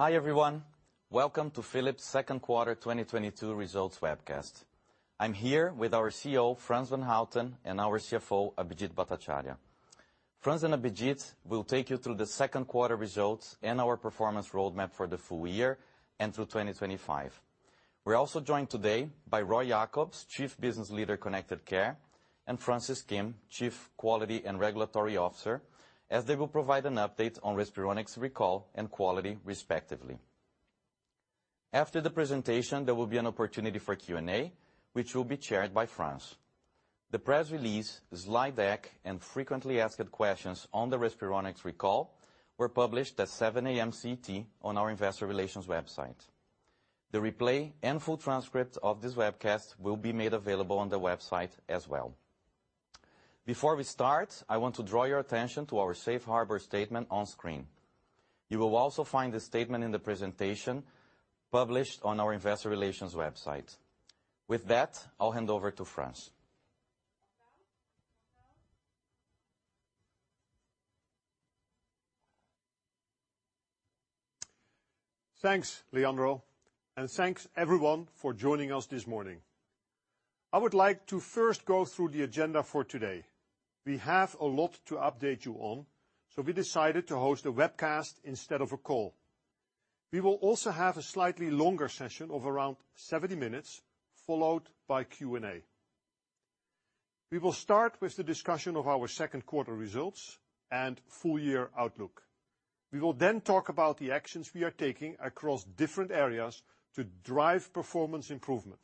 Hi, everyone. Welcome to Philips' Q2 2022 results webcast. I'm here with our CEO, Frans van Houten, and our CFO, Abhijit Bhattacharya. Frans and Abhijit will take you through the Q2 results and our performance roadmap for the full year and through 2025. We're also joined today by Roy Jakobs, Chief Business Leader, Connected Care, and Francis Kim, Chief Quality and Regulatory Officer, as they will provide an update on Respironics recall and quality respectively. After the presentation, there will be an opportunity for Q&A, which will be chaired by Frans. The press release, slide deck, and frequently asked questions on the Respironics recall were published at 7:00 A.M. CT on our investor relations website. The replay and full transcript of this webcast will be made available on the website as well. Before we start, I want to draw your attention to our safe harbor statement on screen. You will also find this statement in the presentation published on our investor relations website. With that, I'll hand over to Frans. Thanks, Leandro, and thanks everyone for joining us this morning. I would like to first go through the agenda for today. We have a lot to update you on, so we decided to host a webcast instead of a call. We will also have a slightly longer session of around 70 minutes, followed by Q&A. We will start with the discussion of our second quarter results and full year outlook. We will then talk about the actions we are taking across different areas to drive performance improvement.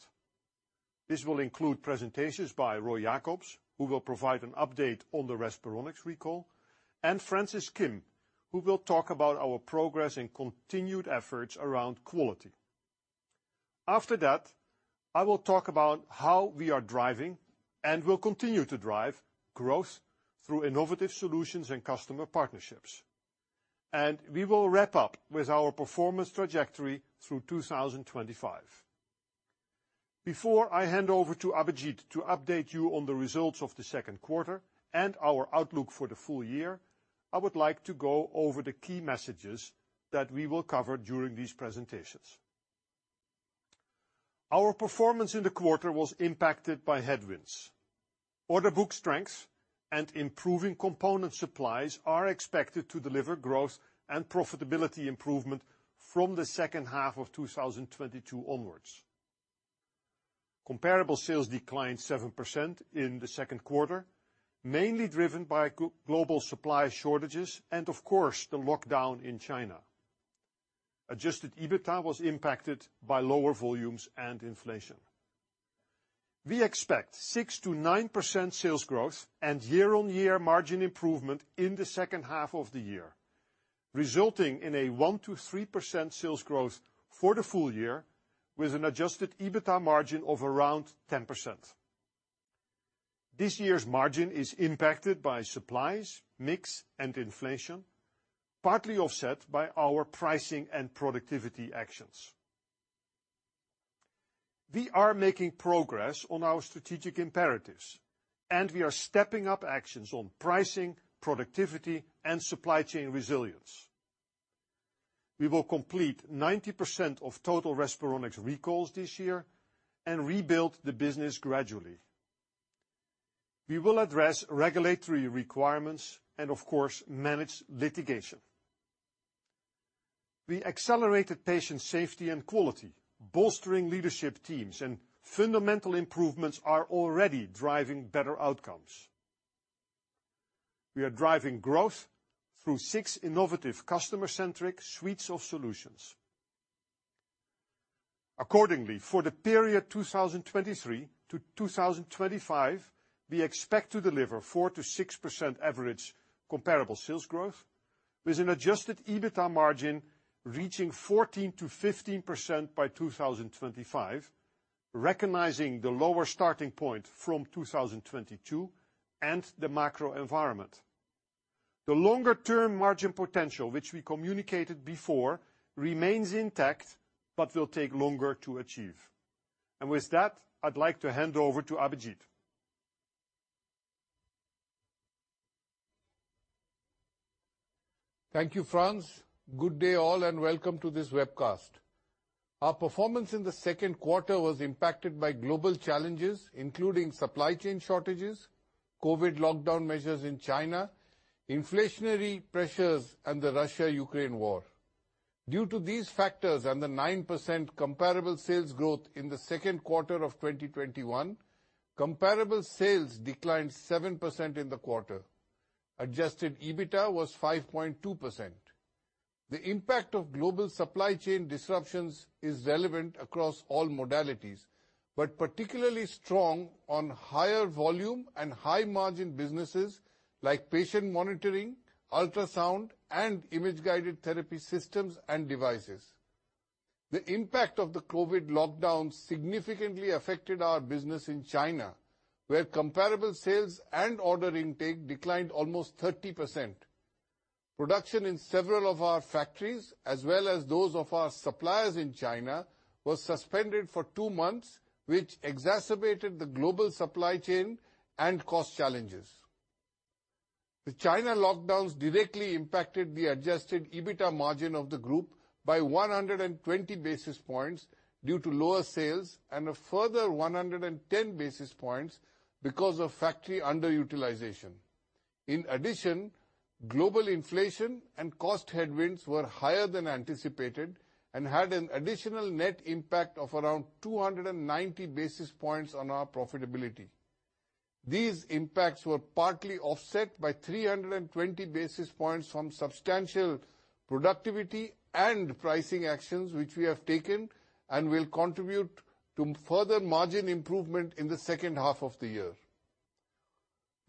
This will include presentations by Roy Jakobs, who will provide an update on the Respironics recall, and Francis Kim, who will talk about our progress and continued efforts around quality. After that, I will talk about how we are driving and will continue to drive growth through innovative solutions and customer partnerships. We will wrap up with our performance trajectory through 2025. Before I hand over to Abhijit to update you on the results of the second quarter and our outlook for the full year, I would like to go over the key messages that we will cover during these presentations. Our performance in the quarter was impacted by headwinds. Order book strengths and improving component supplies are expected to deliver growth and profitability improvement from the second half of 2022 onwards. Comparable sales declined 7% in the second quarter, mainly driven by global supply shortages and, of course, the lockdown in China. Adjusted EBITA was impacted by lower volumes and inflation. We expect 6%-9% sales growth and year-on-year margin improvement in the second half of the year, resulting in a 1%-3% sales growth for the full year with an adjusted EBITA margin of around 10%. This year's margin is impacted by supplies, mix, and inflation, partly offset by our pricing and productivity actions. We are making progress on our strategic imperatives, and we are stepping up actions on pricing, productivity, and supply chain resilience. We will complete 90% of total Respironics recalls this year and rebuild the business gradually. We will address regulatory requirements and of course, manage litigation. We accelerated patient safety and quality, bolstering leadership teams and fundamental improvements are already driving better outcomes. We are driving growth through six innovative customer-centric suites of solutions. Accordingly, for the period 2023 to 2025, we expect to deliver 4%-6% average comparable sales growth with an Adjusted EBITA margin reaching 14%-15% by 2025, recognizing the lower starting point from 2022 and the macro environment. The longer term margin potential, which we communicated before, remains intact but will take longer to achieve. With that, I'd like to hand over to Abhijit. Thank you, Frans. Good day all and welcome to this webcast. Our performance in the second quarter was impacted by global challenges, including supply chain shortages, COVID lockdown measures in China, inflationary pressures, and the Russia-Ukraine war. Due to these factors and the 9% comparable sales growth in the second quarter of 2021, comparable sales declined 7% in the quarter. Adjusted EBITA was 5.2%. The impact of global supply chain disruptions is relevant across all modalities, but particularly strong on higher volume and high margin businesses like patient monitoring, ultrasound, and image-guided therapy systems and devices. The impact of the COVID lockdown significantly affected our business in China, where comparable sales and order intake declined almost 30%. Production in several of our factories, as well as those of our suppliers in China, was suspended for two months, which exacerbated the global supply chain and cost challenges. The China lockdowns directly impacted the adjusted EBITA margin of the group by 120 basis points due to lower sales and a further 110 basis points because of factory underutilization. In addition, global inflation and cost headwinds were higher than anticipated and had an additional net impact of around 290 basis points on our profitability. These impacts were partly offset by 320 basis points from substantial productivity and pricing actions which we have taken and will contribute to further margin improvement in the second half of the year.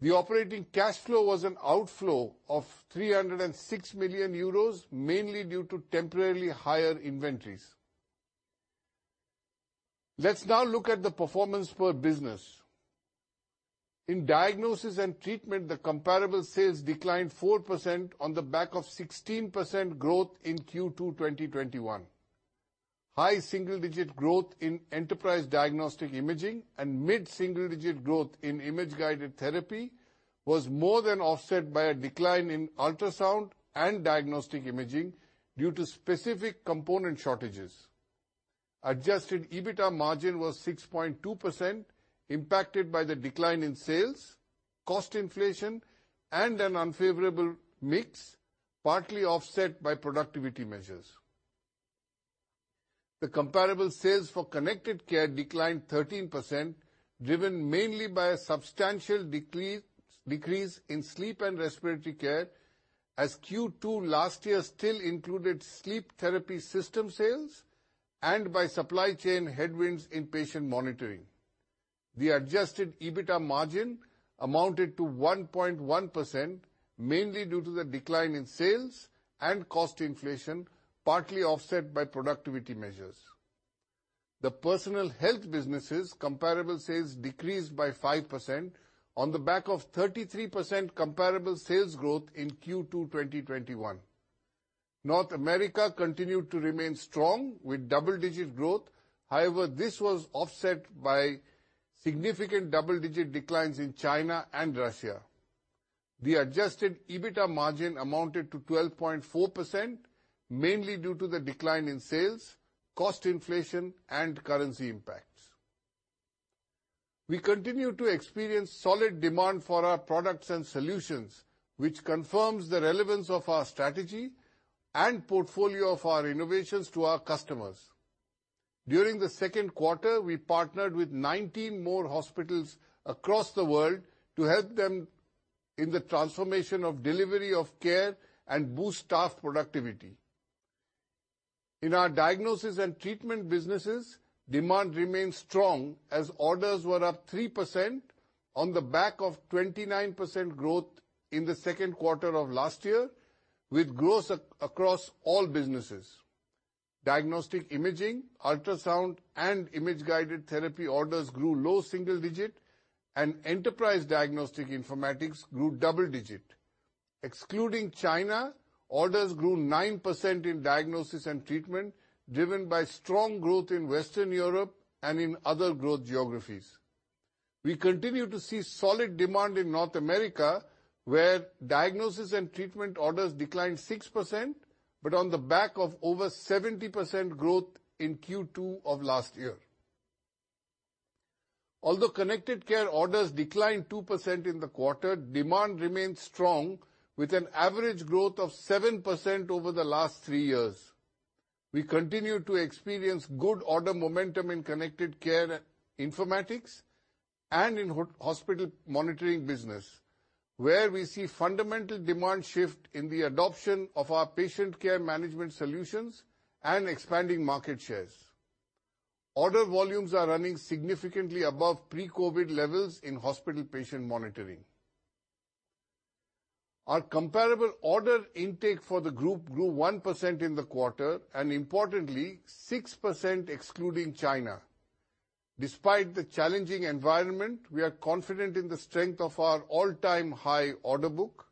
The operating cash flow was an outflow of 306 million euros, mainly due to temporarily higher inventories. Let's now look at the performance per business. In Diagnosis and Treatment, the comparable sales declined 4% on the back of 16% growth in Q2 2021. High single-digit growth in enterprise diagnostic imaging and mid-single digit growth in image-guided therapy was more than offset by a decline in ultrasound and diagnostic imaging due to specific component shortages. Adjusted EBITDA margin was 6.2% impacted by the decline in sales, cost inflation, and an unfavorable mix, partly offset by productivity measures. The comparable sales for Connected Care declined 13%, driven mainly by a substantial decrease in Sleep and Respiratory Care as Q2 last year still included sleep therapy system sales and by supply chain headwinds in patient monitoring. The adjusted EBITDA margin amounted to 1.1%, mainly due to the decline in sales and cost inflation, partly offset by productivity measures. The Personal Health businesses comparable sales decreased by 5% on the back of 33% comparable sales growth in Q2 2021. North America continued to remain strong with double-digit growth. However, this was offset by significant double-digit declines in China and Russia. The adjusted EBITDA margin amounted to 12.4%, mainly due to the decline in sales, cost inflation, and currency impacts. We continue to experience solid demand for our products and solutions, which confirms the relevance of our strategy and portfolio of our innovations to our customers. During the second quarter, we partnered with 19 more hospitals across the world to help them in the transformation of delivery of care and boost staff productivity. In our Diagnosis & Treatment businesses, demand remains strong as orders were up 3% on the back of 29% growth in the second quarter of last year with growth across all businesses. Diagnostic imaging, ultrasound, and image-guided therapy orders grew low single digit and enterprise diagnostic informatics grew double digit. Excluding China, orders grew 9% in Diagnosis & Treatment, driven by strong growth in Western Europe and in other growth geographies. We continue to see solid demand in North America, where Diagnosis & Treatment orders declined 6%, but on the back of over 70% growth in Q2 of last year. Although Connected Care orders declined 2% in the quarter, demand remains strong with an average growth of 7% over the last three years. We continue to experience good order momentum in Connected Care Informatics and in hospital patient monitoring business, where we see fundamental demand shift in the adoption of our patient care management solutions and expanding market shares. Order volumes are running significantly above pre-COVID levels in Hospital Patient Monitoring. Our comparable order intake for the group grew 1% in the quarter, and importantly 6% excluding China. Despite the challenging environment, we are confident in the strength of our all-time high order book.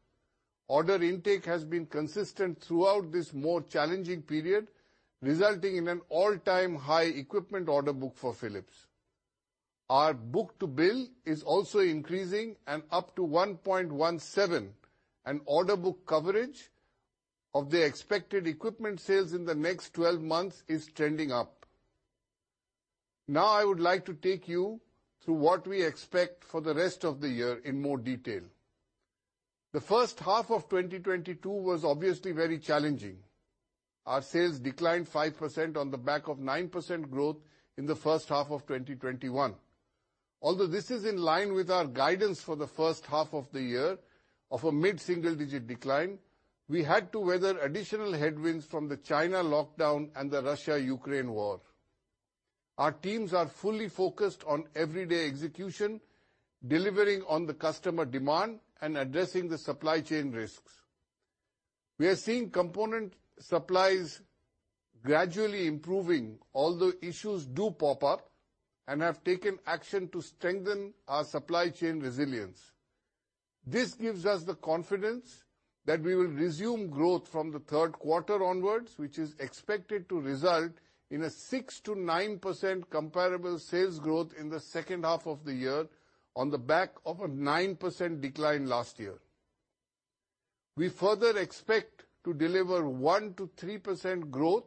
Order intake has been consistent throughout this more challenging period, resulting in an all-time high equipment order book for Philips. Our book-to-bill is also increasing and up to 1.17. Order book coverage of the expected equipment sales in the next 12 months is trending up. Now I would like to take you through what we expect for the rest of the year in more detail. The first half of 2022 was obviously very challenging. Our sales declined 5% on the back of 9% growth in the first half of 2021. Although this is in line with our guidance for the first half of the year of a mid-single digit decline, we had to weather additional headwinds from the China lockdown and the Russo-Ukrainian War. Our teams are fully focused on everyday execution, delivering on the customer demand and addressing the supply chain risks. We are seeing component supplies gradually improving, although issues do pop up and have taken action to strengthen our supply chain resilience. This gives us the confidence that we will resume growth from the third quarter onwards, which is expected to result in a 6%-9% comparable sales growth in the second half of the year on the back of a 9% decline last year. We further expect to deliver 1%-3% growth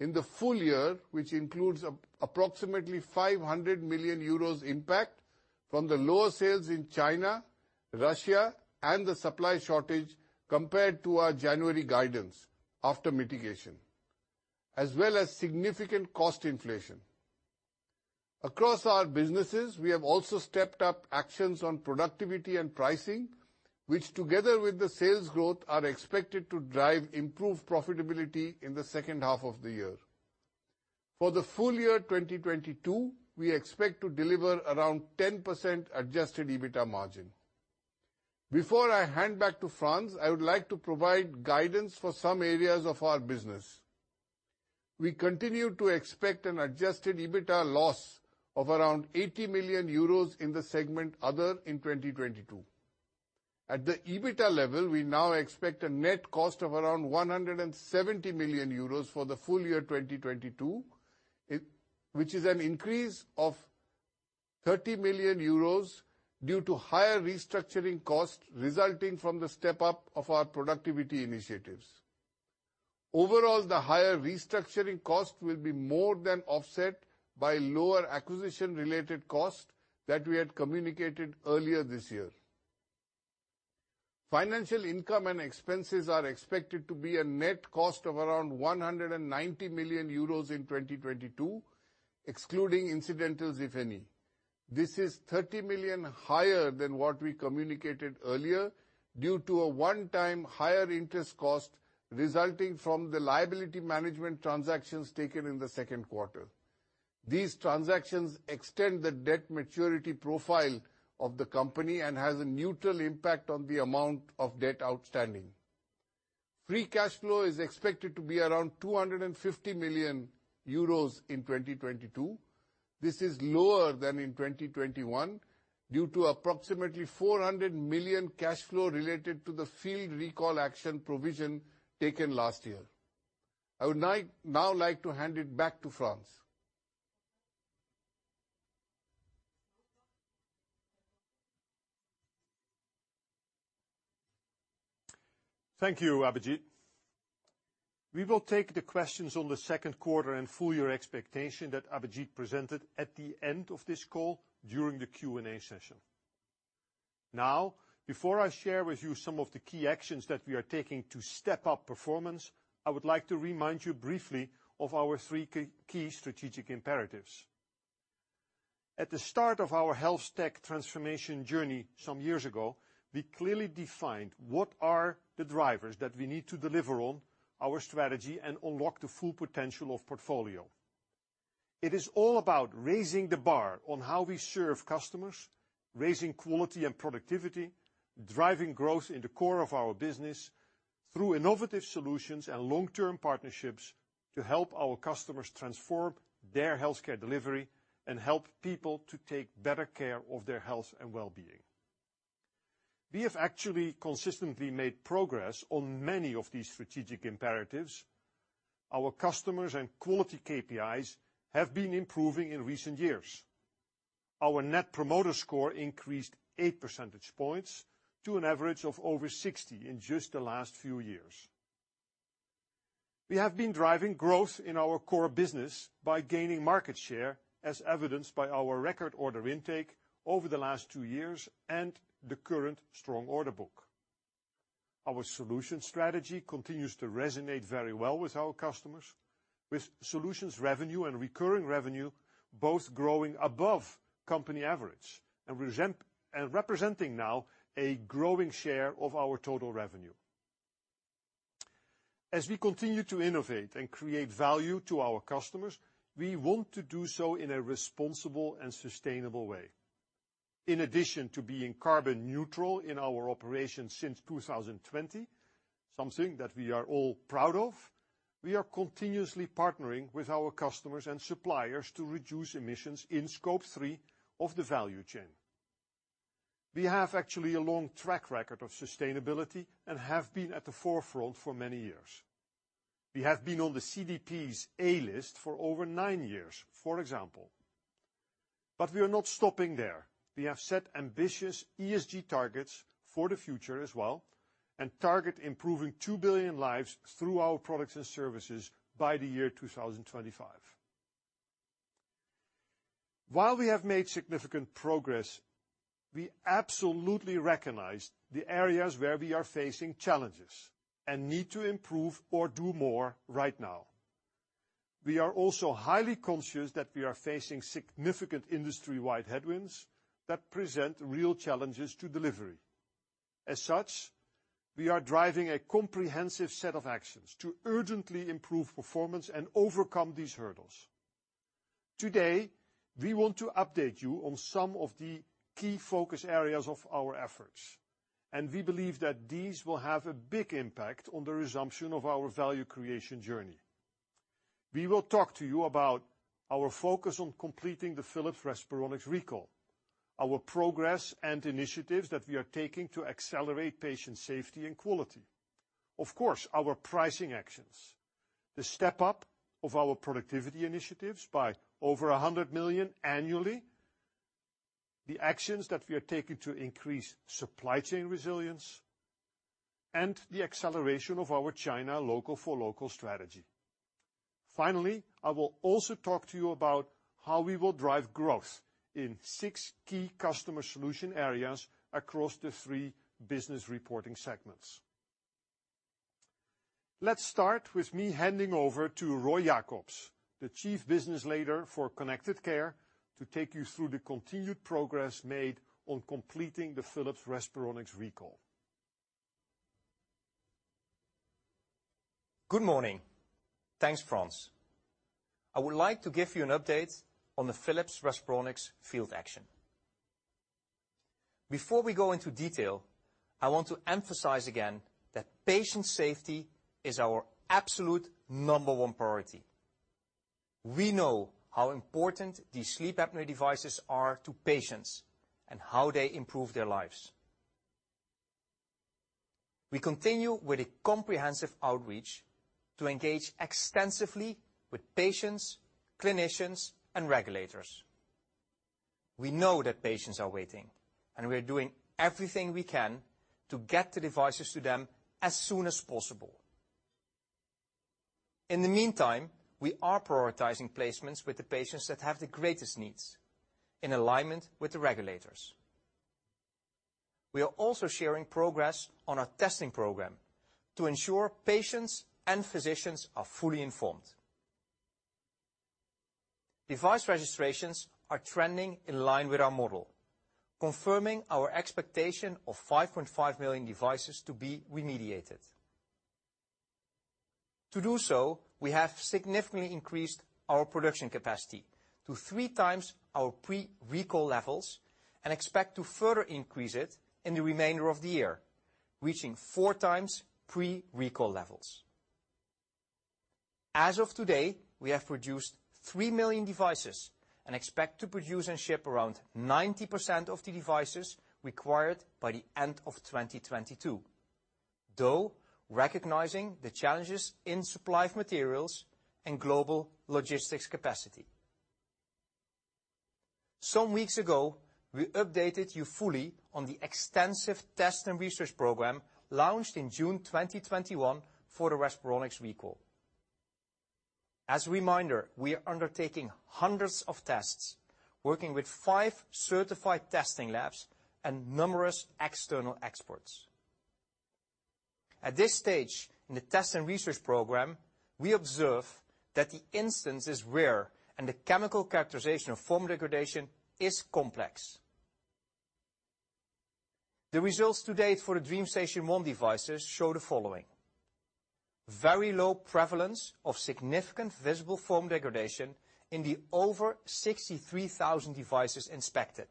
in the full year, which includes approximately 500 million euros impact from the lower sales in China, Russia, and the supply shortage compared to our January guidance after mitigation, as well as significant cost inflation. Across our businesses, we have also stepped up actions on productivity and pricing, which together with the sales growth, are expected to drive improved profitability in the second half of the year. For the full year 2022, we expect to deliver around 10% adjusted EBITA margin. Before I hand back to Frans, I would like to provide guidance for some areas of our business. We continue to expect an adjusted EBITA loss of around 80 million euros in the segment other in 2022. At the EBITA level, we now expect a net cost of around 170 million euros for the full year 2022, which is an increase of 30 million euros due to higher restructuring costs resulting from the step-up of our productivity initiatives. Overall, the higher restructuring cost will be more than offset by lower acquisition-related costs that we had communicated earlier this year. Financial income and expenses are expected to be a net cost of around 190 million euros in 2022, excluding incidentals, if any. This is 30 million higher than what we communicated earlier due to a one-time higher interest cost resulting from the liability management transactions taken in the second quarter. These transactions extend the debt maturity profile of the company and has a neutral impact on the amount of debt outstanding. Free cash flow is expected to be around 250 million euros in 2022. This is lower than in 2021 due to approximately 400 million cash flow related to the field recall action provision taken last year. I would now like to hand it back to Frans. Thank you, Abhijit. We will take the questions on the second quarter and full year expectation that Abhijit presented at the end of this call during the Q&A session. Now, before I share with you some of the key actions that we are taking to step up performance, I would like to remind you briefly of our three key strategic imperatives. At the start of our HealthTech transformation journey some years ago, we clearly defined what are the drivers that we need to deliver on our strategy and unlock the full potential of portfolio. It is all about raising the bar on how we serve customers, raising quality and productivity, driving growth in the core of our business through innovative solutions and long-term partnerships to help our customers transform their healthcare delivery and help people to take better care of their health and well-being. We have actually consistently made progress on many of these strategic imperatives. Our customers and quality KPIs have been improving in recent years. Our Net Promoter Score increased 8 percentage points to an average of over 60 in just the last few years. We have been driving growth in our core business by gaining market share, as evidenced by our record order intake over the last two years and the current strong order book. Our solution strategy continues to resonate very well with our customers, with solutions revenue and recurring revenue both growing above company average and representing now a growing share of our total revenue. As we continue to innovate and create value to our customers, we want to do so in a responsible and sustainable way. In addition to being carbon neutral in our operations since 2020, something that we are all proud of, we are continuously partnering with our customers and suppliers to reduce emissions in scope 3 of the value chain. We have actually a long track record of sustainability and have been at the forefront for many years. We have been on the CDP's A list for over nine years, for example. We are not stopping there. We have set ambitious ESG targets for the future as well, and target improving 2 billion lives through our products and services by the year 2025. While we have made significant progress, we absolutely recognize the areas where we are facing challenges and need to improve or do more right now. We are also highly conscious that we are facing significant industry-wide headwinds that present real challenges to delivery. As such, we are driving a comprehensive set of actions to urgently improve performance and overcome these hurdles. Today, we want to update you on some of the key focus areas of our efforts, and we believe that these will have a big impact on the resumption of our value creation journey. We will talk to you about our focus on completing the Philips Respironics recall, our progress and initiatives that we are taking to accelerate patient safety and quality. Of course, our pricing actions, the step up of our productivity initiatives by over 100 million annually, the actions that we are taking to increase supply chain resilience, and the acceleration of our China local for local strategy. Finally, I will also talk to you about how we will drive growth in six key customer solution areas across the three business reporting segments. Let's start with me handing over to Roy Jakobs, the Chief Business Leader for Connected Care, to take you through the continued progress made on completing the Philips Respironics recall. Good morning. Thanks, Frans. I would like to give you an update on the Philips Respironics field action. Before we go into detail, I want to emphasize again that patient safety is our absolute number one priority. We know how important these sleep apnea devices are to patients and how they improve their lives. We continue with a comprehensive outreach to engage extensively with patients, clinicians, and regulators. We know that patients are waiting, and we are doing everything we can to get the devices to them as soon as possible. In the meantime, we are prioritizing placements with the patients that have the greatest needs in alignment with the regulators. We are also sharing progress on our testing program to ensure patients and physicians are fully informed. Device registrations are trending in line with our model, confirming our expectation of 5.5 million devices to be remediated. To do so, we have significantly increased our production capacity to three times our pre-recall levels and expect to further increase it in the remainder of the year, reaching four times pre-recall levels. As of today, we have produced 3 million devices and expect to produce and ship around 90% of the devices required by the end of 2022, though recognizing the challenges in supply of materials and global logistics capacity. Some weeks ago, we updated you fully on the extensive test and research program launched in June 2021 for the Respironics recall. As a reminder, we are undertaking hundreds of tests, working with five certified testing labs and numerous external experts. At this stage in the test and research program, we observe that the instance is rare and the chemical characterization of foam degradation is complex. The results to date for the DreamStation 1 devices show the following. Very low prevalence of significant visible foam degradation in the over 63,000 devices inspected.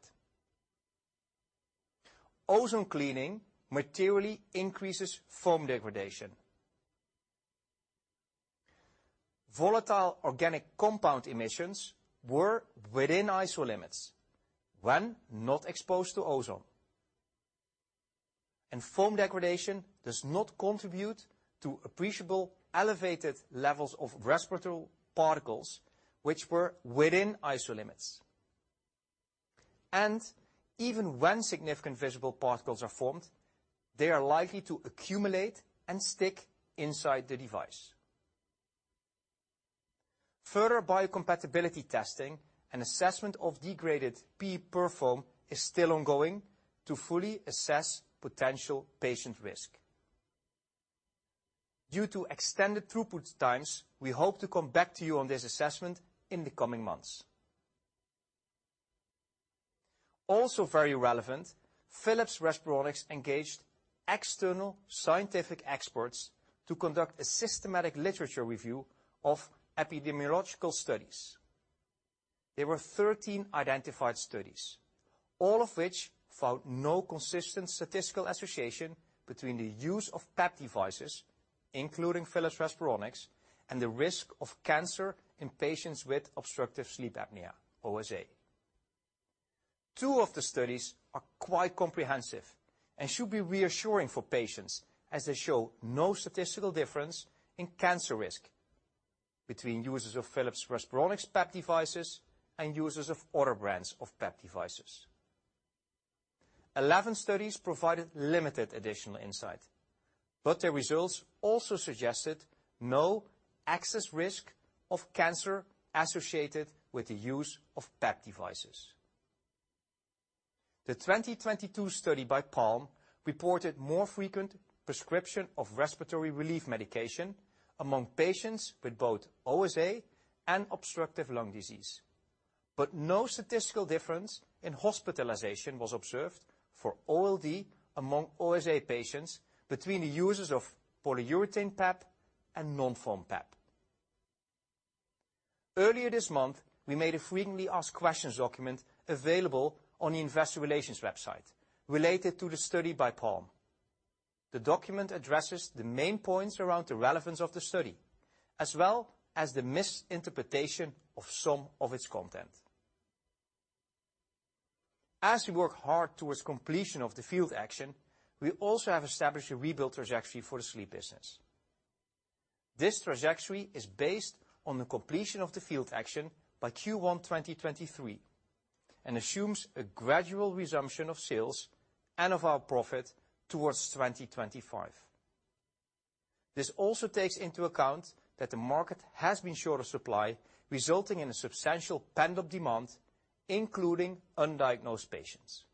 Ozone cleaning materially increases foam degradation. Volatile organic compound emissions were within ISO limits when not exposed to ozone. Foam degradation does not contribute to appreciable elevated levels of respiratory particles which were within ISO limits. Even when significant visible particles are formed, they are likely to accumulate and stick inside the device. Further biocompatibility testing and assessment of degraded PE-PUR foam is still ongoing to fully assess potential patient risk. Due to extended throughput times, we hope to come back to you on this assessment in the coming months. Also very relevant, Philips Respironics engaged external scientific experts to conduct a systematic literature review of epidemiological studies. There were 13 identified studies, all of which found no consistent statistical association between the use of PAP devices, including Philips Respironics, and the risk of cancer in patients with obstructive sleep apnea, OSA. Two of the studies are quite comprehensive and should be reassuring for patients as they show no statistical difference in cancer risk between users of Philips Respironics PAP devices and users of other brands of PAP devices. Eleven studies provided limited additional insight, but their results also suggested no excess risk of cancer associated with the use of PAP devices. The 2022 study by Palm reported more frequent prescription of respiratory relief medication among patients with both OSA and obstructive lung disease. No statistical difference in hospitalization was observed for OLD among OSA patients between the users of polyurethane PAP and non-foam PAP. Earlier this month, we made a frequently asked questions document available on the investor relations website related to the study by Palm. The document addresses the main points around the relevance of the study, as well as the misinterpretation of some of its content. As we work hard towards completion of the field action, we also have established a rebuild trajectory for the sleep business. This trajectory is based on the completion of the field action by Q1 2023, and assumes a gradual resumption of sales and of our profit towards 2025. This also takes into account that the market has been short of supply, resulting in a substantial pent-up demand, including undiagnosed patients.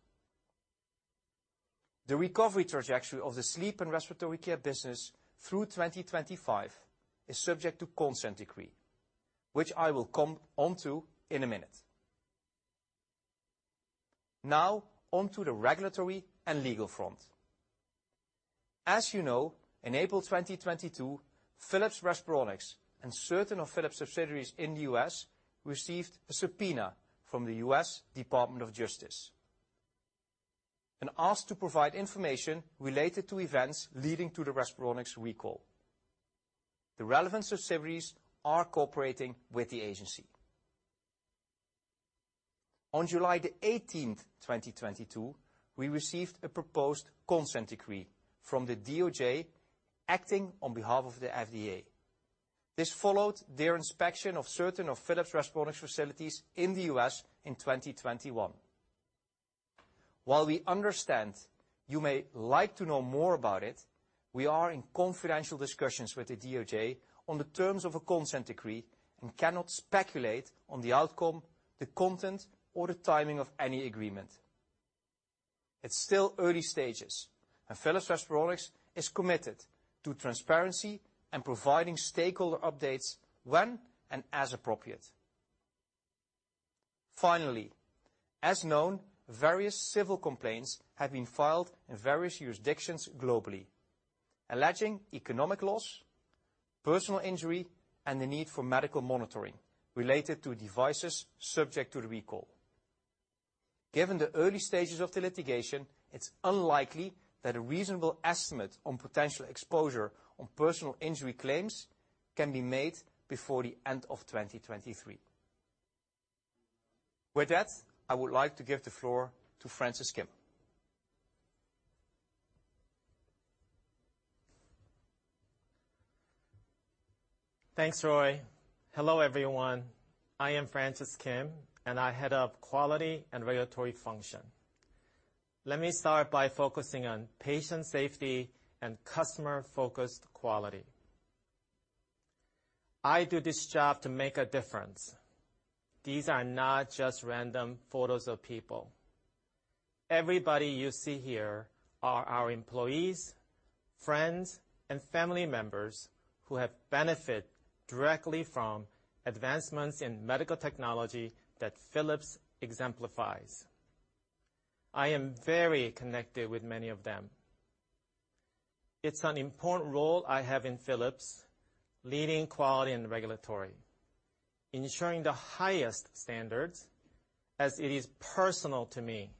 The recovery trajectory of the sleep and respiratory care business through 2025 is subject to consent decree, which I will come onto in a minute. Now, on to the regulatory and legal front. As you know, in April 2022, Philips Respironics and certain of Philips subsidiaries in the U.S. received a subpoena from the U.S. Department of Justice and asked to provide information related to events leading to the Respironics recall. The relevant subsidiaries are cooperating with the agency. On July 18th, 2022, we received a proposed consent decree from the DOJ, acting on behalf of the FDA. This followed their inspection of certain of Philips Respironics facilities in the U.S. in 2021. While we understand you may like to know more about it, we are in confidential discussions with the DOJ on the terms of a consent decree and cannot speculate on the outcome, the content, or the timing of any agreement. It's still early stages, and Philips Respironics is committed to transparency and providing stakeholder updates when and as appropriate. Finally, as known, various civil complaints have been filed in various jurisdictions globally, alleging economic loss, personal injury, and the need for medical monitoring related to devices subject to the recall. Given the early stages of the litigation, it's unlikely that a reasonable estimate on potential exposure on personal injury claims can be made before the end of 2023. With that, I would like to give the floor to Francis Kim. Thanks, Roy. Hello, everyone. I am Francis Kim, and I head up Quality and Regulatory Function. Let me start by focusing on patient safety and customer-focused quality. I do this job to make a difference. These are not just random photos of people. Everybody you see here are our employees, friends, and family members who have benefited directly from advancements in medical technology that Philips exemplifies. I am very connected with many of them. It's an important role I have in Philips, leading quality and regulatory, ensuring the highest standards as it is personal to me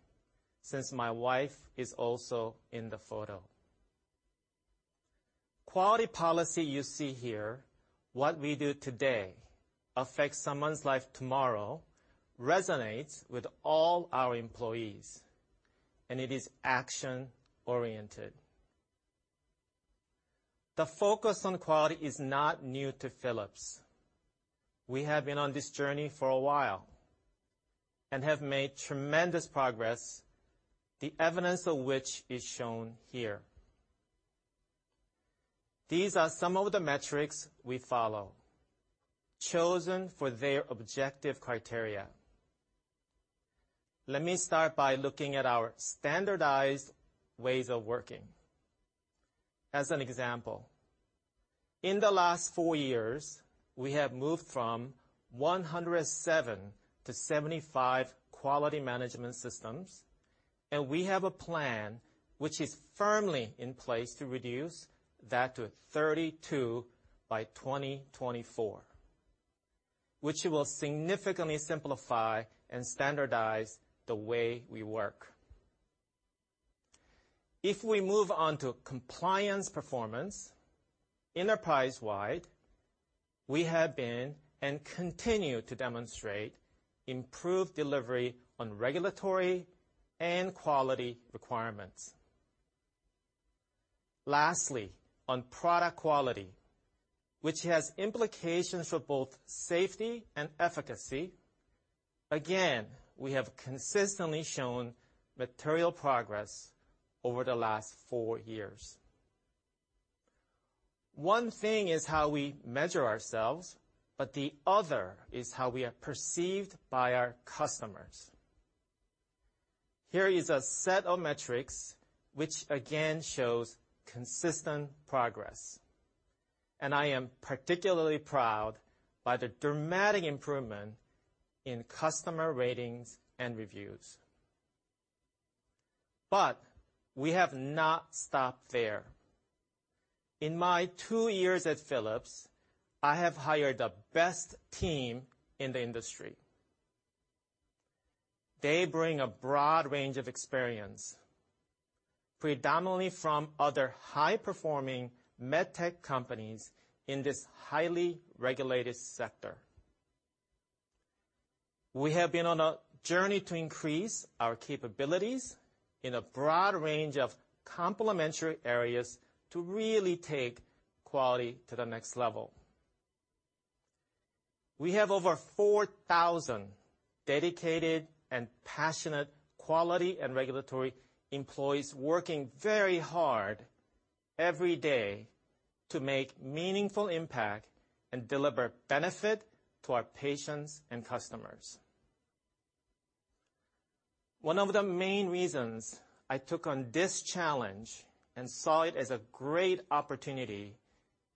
since my wife is also in the photo. Quality policy you see here, what we do today, affects someone's life tomorrow, resonates with all our employees, and it is action-oriented. The focus on quality is not new to Philips. We have been on this journey for a while and have made tremendous progress, the evidence of which is shown here. These are some of the metrics we follow, chosen for their objective criteria. Let me start by looking at our standardized ways of working. As an example, in the last four years, we have moved from 107-75 quality management systems, and we have a plan which is firmly in place to reduce that to 32 by 2024, which will significantly simplify and standardize the way we work. If we move on to compliance performance, enterprise-wide, we have been, and continue to demonstrate improved delivery on regulatory and quality requirements. Lastly, on product quality, which has implications for both safety and efficacy, again, we have consistently shown material progress over the last four years. One thing is how we measure ourselves, but the other is how we are perceived by our customers. Here is a set of metrics which again shows consistent progress, and I am particularly proud by the dramatic improvement in customer ratings and reviews. We have not stopped there. In my two years at Philips, I have hired the best team in the industry. They bring a broad range of experience, predominantly from other high-performing med tech companies in this highly regulated sector. We have been on a journey to increase our capabilities in a broad range of complementary areas to really take quality to the next level. We have over 4,000 dedicated and passionate quality and regulatory employees working very hard every day to make meaningful impact and deliver benefit to our patients and customers. One of the main reasons I took on this challenge and saw it as a great opportunity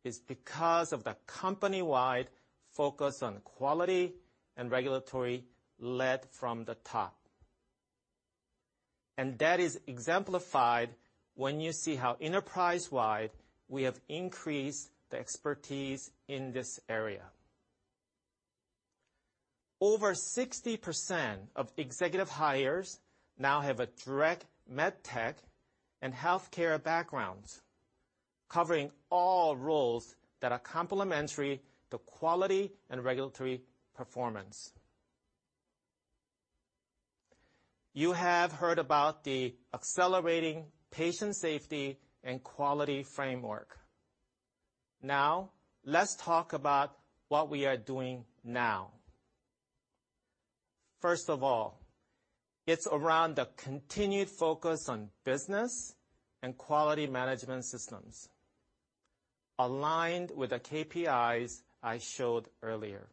is because of the company-wide focus on quality and regulatory led from the top. That is exemplified when you see how enterprise-wide we have increased the expertise in this area. Over 60% of executive hires now have a direct med tech and healthcare backgrounds, covering all roles that are complementary to quality and regulatory performance. You have heard about the accelerating patient safety and quality framework. Now, let's talk about what we are doing now. First of all, it's around the continued focus on business and quality management systems, aligned with the KPIs I showed earlier.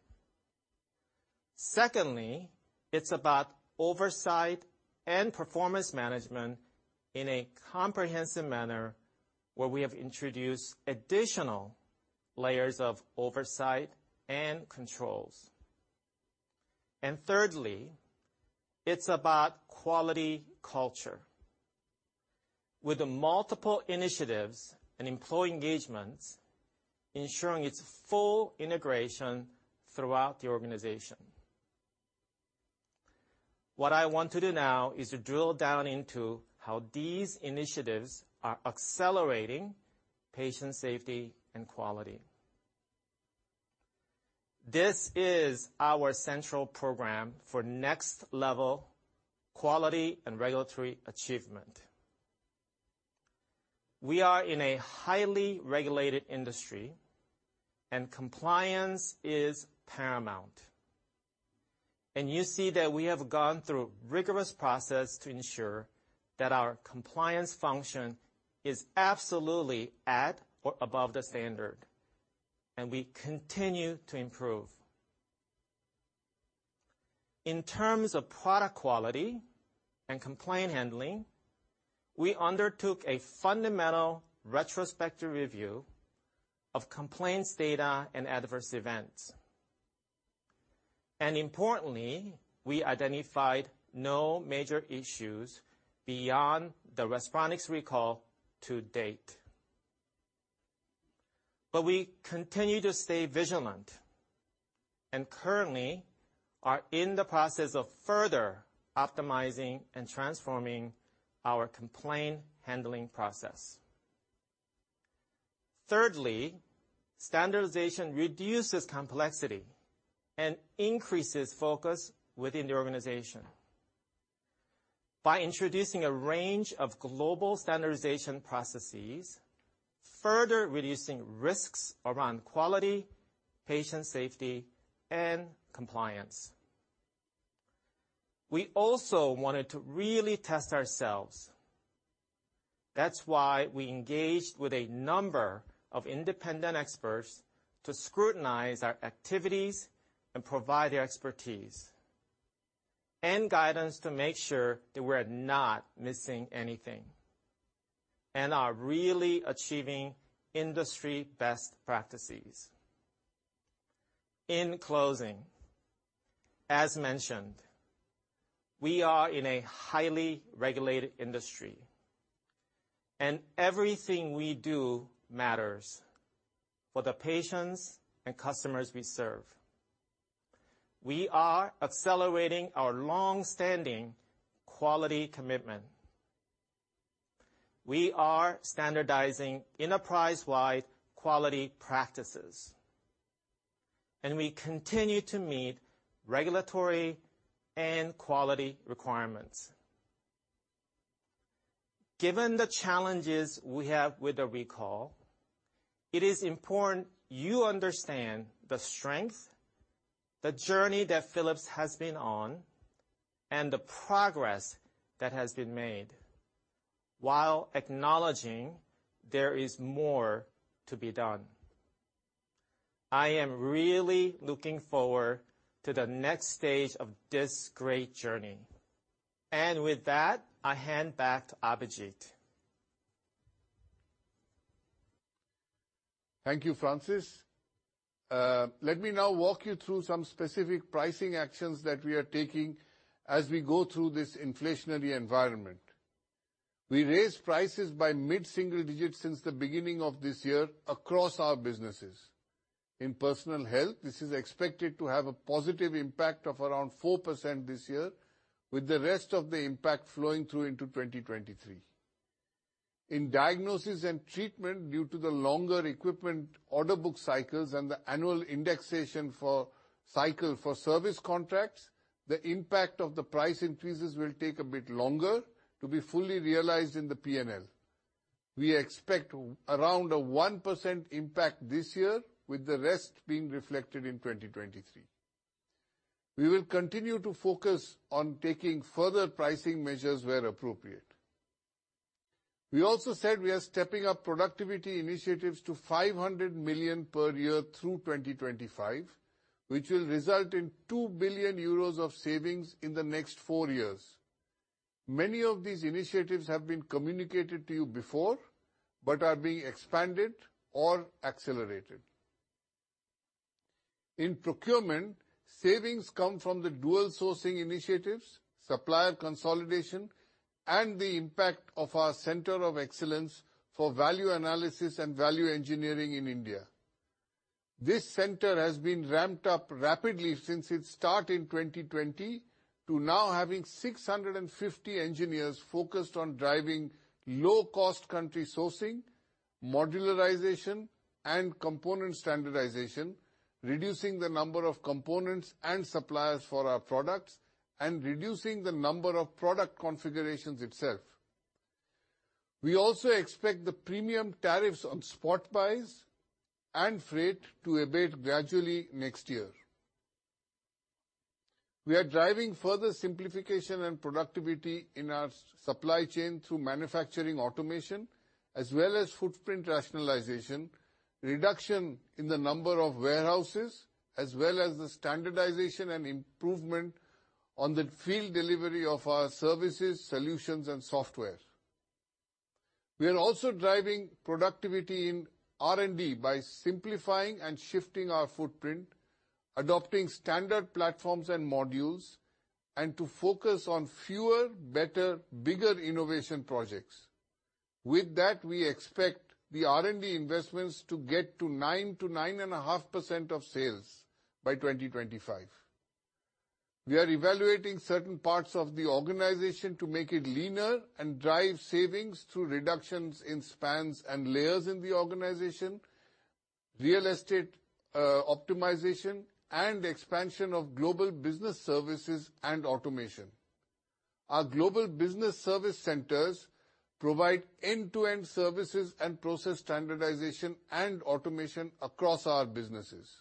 Secondly, it's about oversight and performance management in a comprehensive manner where we have introduced additional layers of oversight and controls. Thirdly, it's about quality culture with multiple. Initiatives and employee engagements, ensuring its full integration throughout the organization. What I want to do now is to drill down into how these initiatives are accelerating patient safety and quality. This is our central program for next level quality and regulatory achievement. We are in a highly regulated industry and compliance is paramount. You see that we have gone through rigorous process to ensure that our compliance function is absolutely at or above the standard, and we continue to improve. In terms of product quality and complaint handling, we undertook a fundamental retrospective review of complaints data and adverse events. Importantly, we identified no major issues beyond the Respironics recall to date. We continue to stay vigilant and currently are in the process of further optimizing and transforming our complaint handling process. Thirdly, standardization reduces complexity and increases focus within the organization by introducing a range of global standardization processes, further reducing risks around quality, patient safety, and compliance. We also wanted to really test ourselves. That's why we engaged with a number of independent experts to scrutinize our activities and provide their expertise and guidance to make sure that we're not missing anything and are really achieving industry best practices. In closing, as mentioned, we are in a highly regulated industry, and everything we do matters for the patients and customers we serve. We are accelerating our long-standing quality commitment. We are standardizing enterprise-wide quality practices, and we continue to meet regulatory and quality requirements. Given the challenges we have with the recall, it is important you understand the strength, the journey that Philips has been on, and the progress that has been made while acknowledging there is more to be done. I am really looking forward to the next stage of this great journey. With that, I hand back to Abhijit. Thank you, Francis. Let me now walk you through some specific pricing actions that we are taking as we go through this inflationary environment. We raised prices by mid-single digits since the beginning of this year across our businesses. In Personal Health, this is expected to have a positive impact of around 4% this year, with the rest of the impact flowing through into 2023. In Diagnosis & Treatment, due to the longer equipment order book cycles and the annual indexation cycle for service contracts, the impact of the price increases will take a bit longer to be fully realized in the P&L. We expect around 1% impact this year, with the rest being reflected in 2023. We will continue to focus on taking further pricing measures where appropriate. We also said we are stepping up productivity initiatives to 500 million per year through 2025, which will result in 2 billion euros of savings in the next four years. Many of these initiatives have been communicated to you before, but are being expanded or accelerated. In procurement, savings come from the dual sourcing initiatives, supplier consolidation, and the impact of our center of excellence for value analysis and value engineering in India. This center has been ramped up rapidly since its start in 2020 to now having 650 engineers focused on driving low-cost country sourcing, modularization and component standardization, reducing the number of components and suppliers for our products, and reducing the number of product configurations itself. We also expect the premium tariffs on spot buys and freight to abate gradually next year. We are driving further simplification and productivity in our supply chain through manufacturing automation as well as footprint rationalization, reduction in the number of warehouses, as well as the standardization and improvement in the field delivery of our services, solutions and software. We are also driving productivity in R&D by simplifying and shifting our footprint, adopting standard platforms and modules, and to focus on fewer, better, bigger innovation projects. With that, we expect the R&D investments to get to 9%-9.5% of sales by 2025. We are evaluating certain parts of the organization to make it leaner and drive savings through reductions in spans and layers in the organization, real estate, optimization and expansion of global business services and automation. Our global business service centers provide end-to-end services and process standardization and automation across our businesses.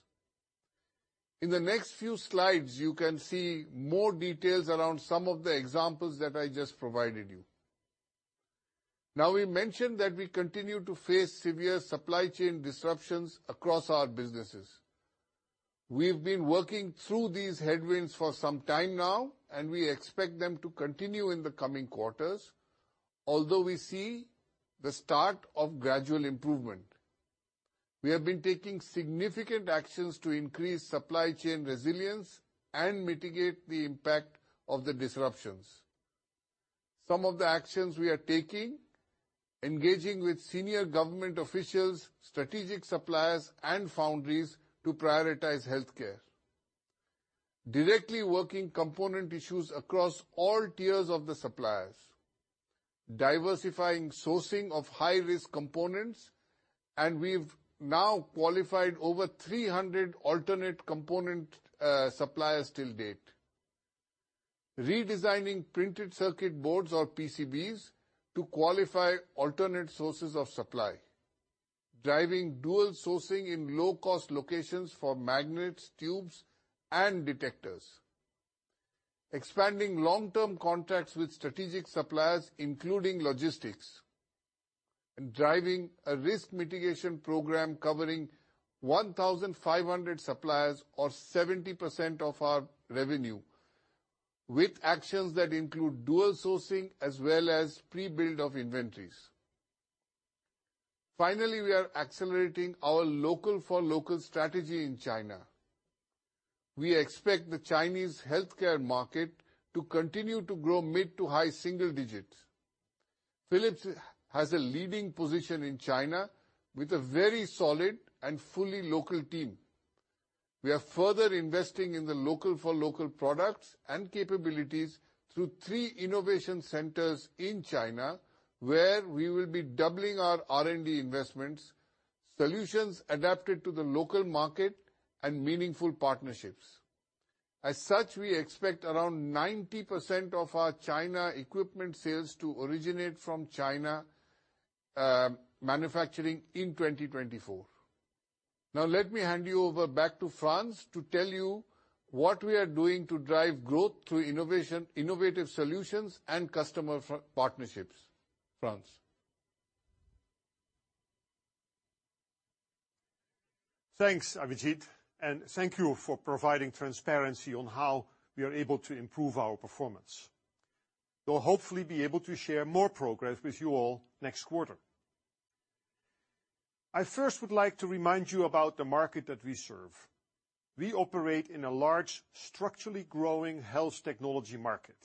In the next few slides, you can see more details around some of the examples that I just provided you. Now, we mentioned that we continue to face severe supply chain disruptions across our businesses. We've been working through these headwinds for some time now, and we expect them to continue in the coming quarters, although we see the start of gradual improvement. We have been taking significant actions to increase supply chain resilience and mitigate the impact of the disruptions. Some of the actions we are taking, engaging with senior government officials, strategic suppliers and foundries to prioritize healthcare, directly working on component issues across all tiers of the suppliers, diversifying sourcing of high-risk components, and we've now qualified over 300 alternate component suppliers till date, redesigning printed circuit boards or PCBs to qualify alternate sources of supply. Driving dual sourcing in low-cost locations for magnets, tubes and detectors. Expanding long-term contracts with strategic suppliers, including logistics. Driving a risk mitigation program covering 1,500 suppliers or 70% of our revenue, with actions that include dual sourcing as well as pre-build of inventories. Finally, we are accelerating our local for local strategy in China. We expect the Chinese healthcare market to continue to grow mid- to high-single-digit. Philips has a leading position in China with a very solid and fully local team. We are further investing in the local for local products and capabilities through three innovation centers in China, where we will be doubling our R&D investments, solutions adapted to the local market and meaningful partnerships. As such, we expect around 90% of our China equipment sales to originate from China manufacturing in 2024. Now let me hand you over back to Frans to tell you what we are doing to drive growth through innovation, innovative solutions and customer partnerships. Frans. Thanks, Abhijit, and thank you for providing transparency on how we are able to improve our performance. We'll hopefully be able to share more progress with you all next quarter. I first would like to remind you about the market that we serve. We operate in a large, structurally growing health technology market.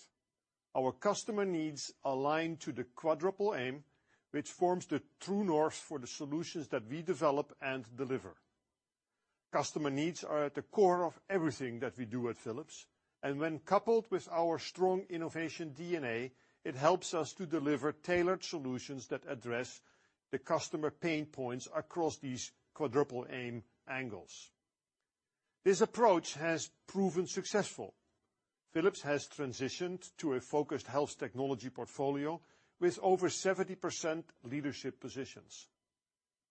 Our customer needs align to the Quadruple Aim, which forms the true north for the solutions that we develop and deliver. Customer needs are at the core of everything that we do at Philips, and when coupled with our strong innovation DNA, it helps us to deliver tailored solutions that address the customer pain points across these Quadruple Aim angles. This approach has proven successful. Philips has transitioned to a focused health technology portfolio with over 70% leadership positions.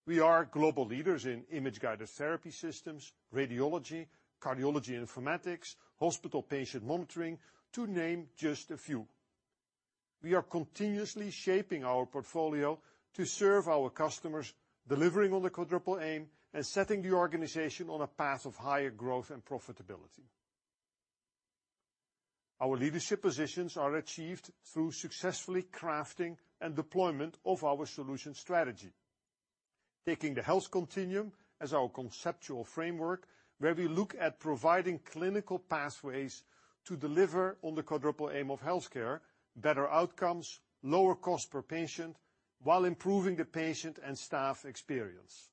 We are global leaders in Image-guided therapy systems, radiology, cardiology informatics, Hospital Patient Monitoring, to name just a few. We are continuously shaping our portfolio to serve our customers, delivering on the Quadruple Aim, and setting the organization on a path of higher growth and profitability. Our leadership positions are achieved through successfully crafting and deployment of our solution strategy. Taking the health continuum as our conceptual framework, where we look at providing clinical pathways to deliver on the Quadruple Aim of healthcare better outcomes, lower cost per patient while improving the patient and staff experience.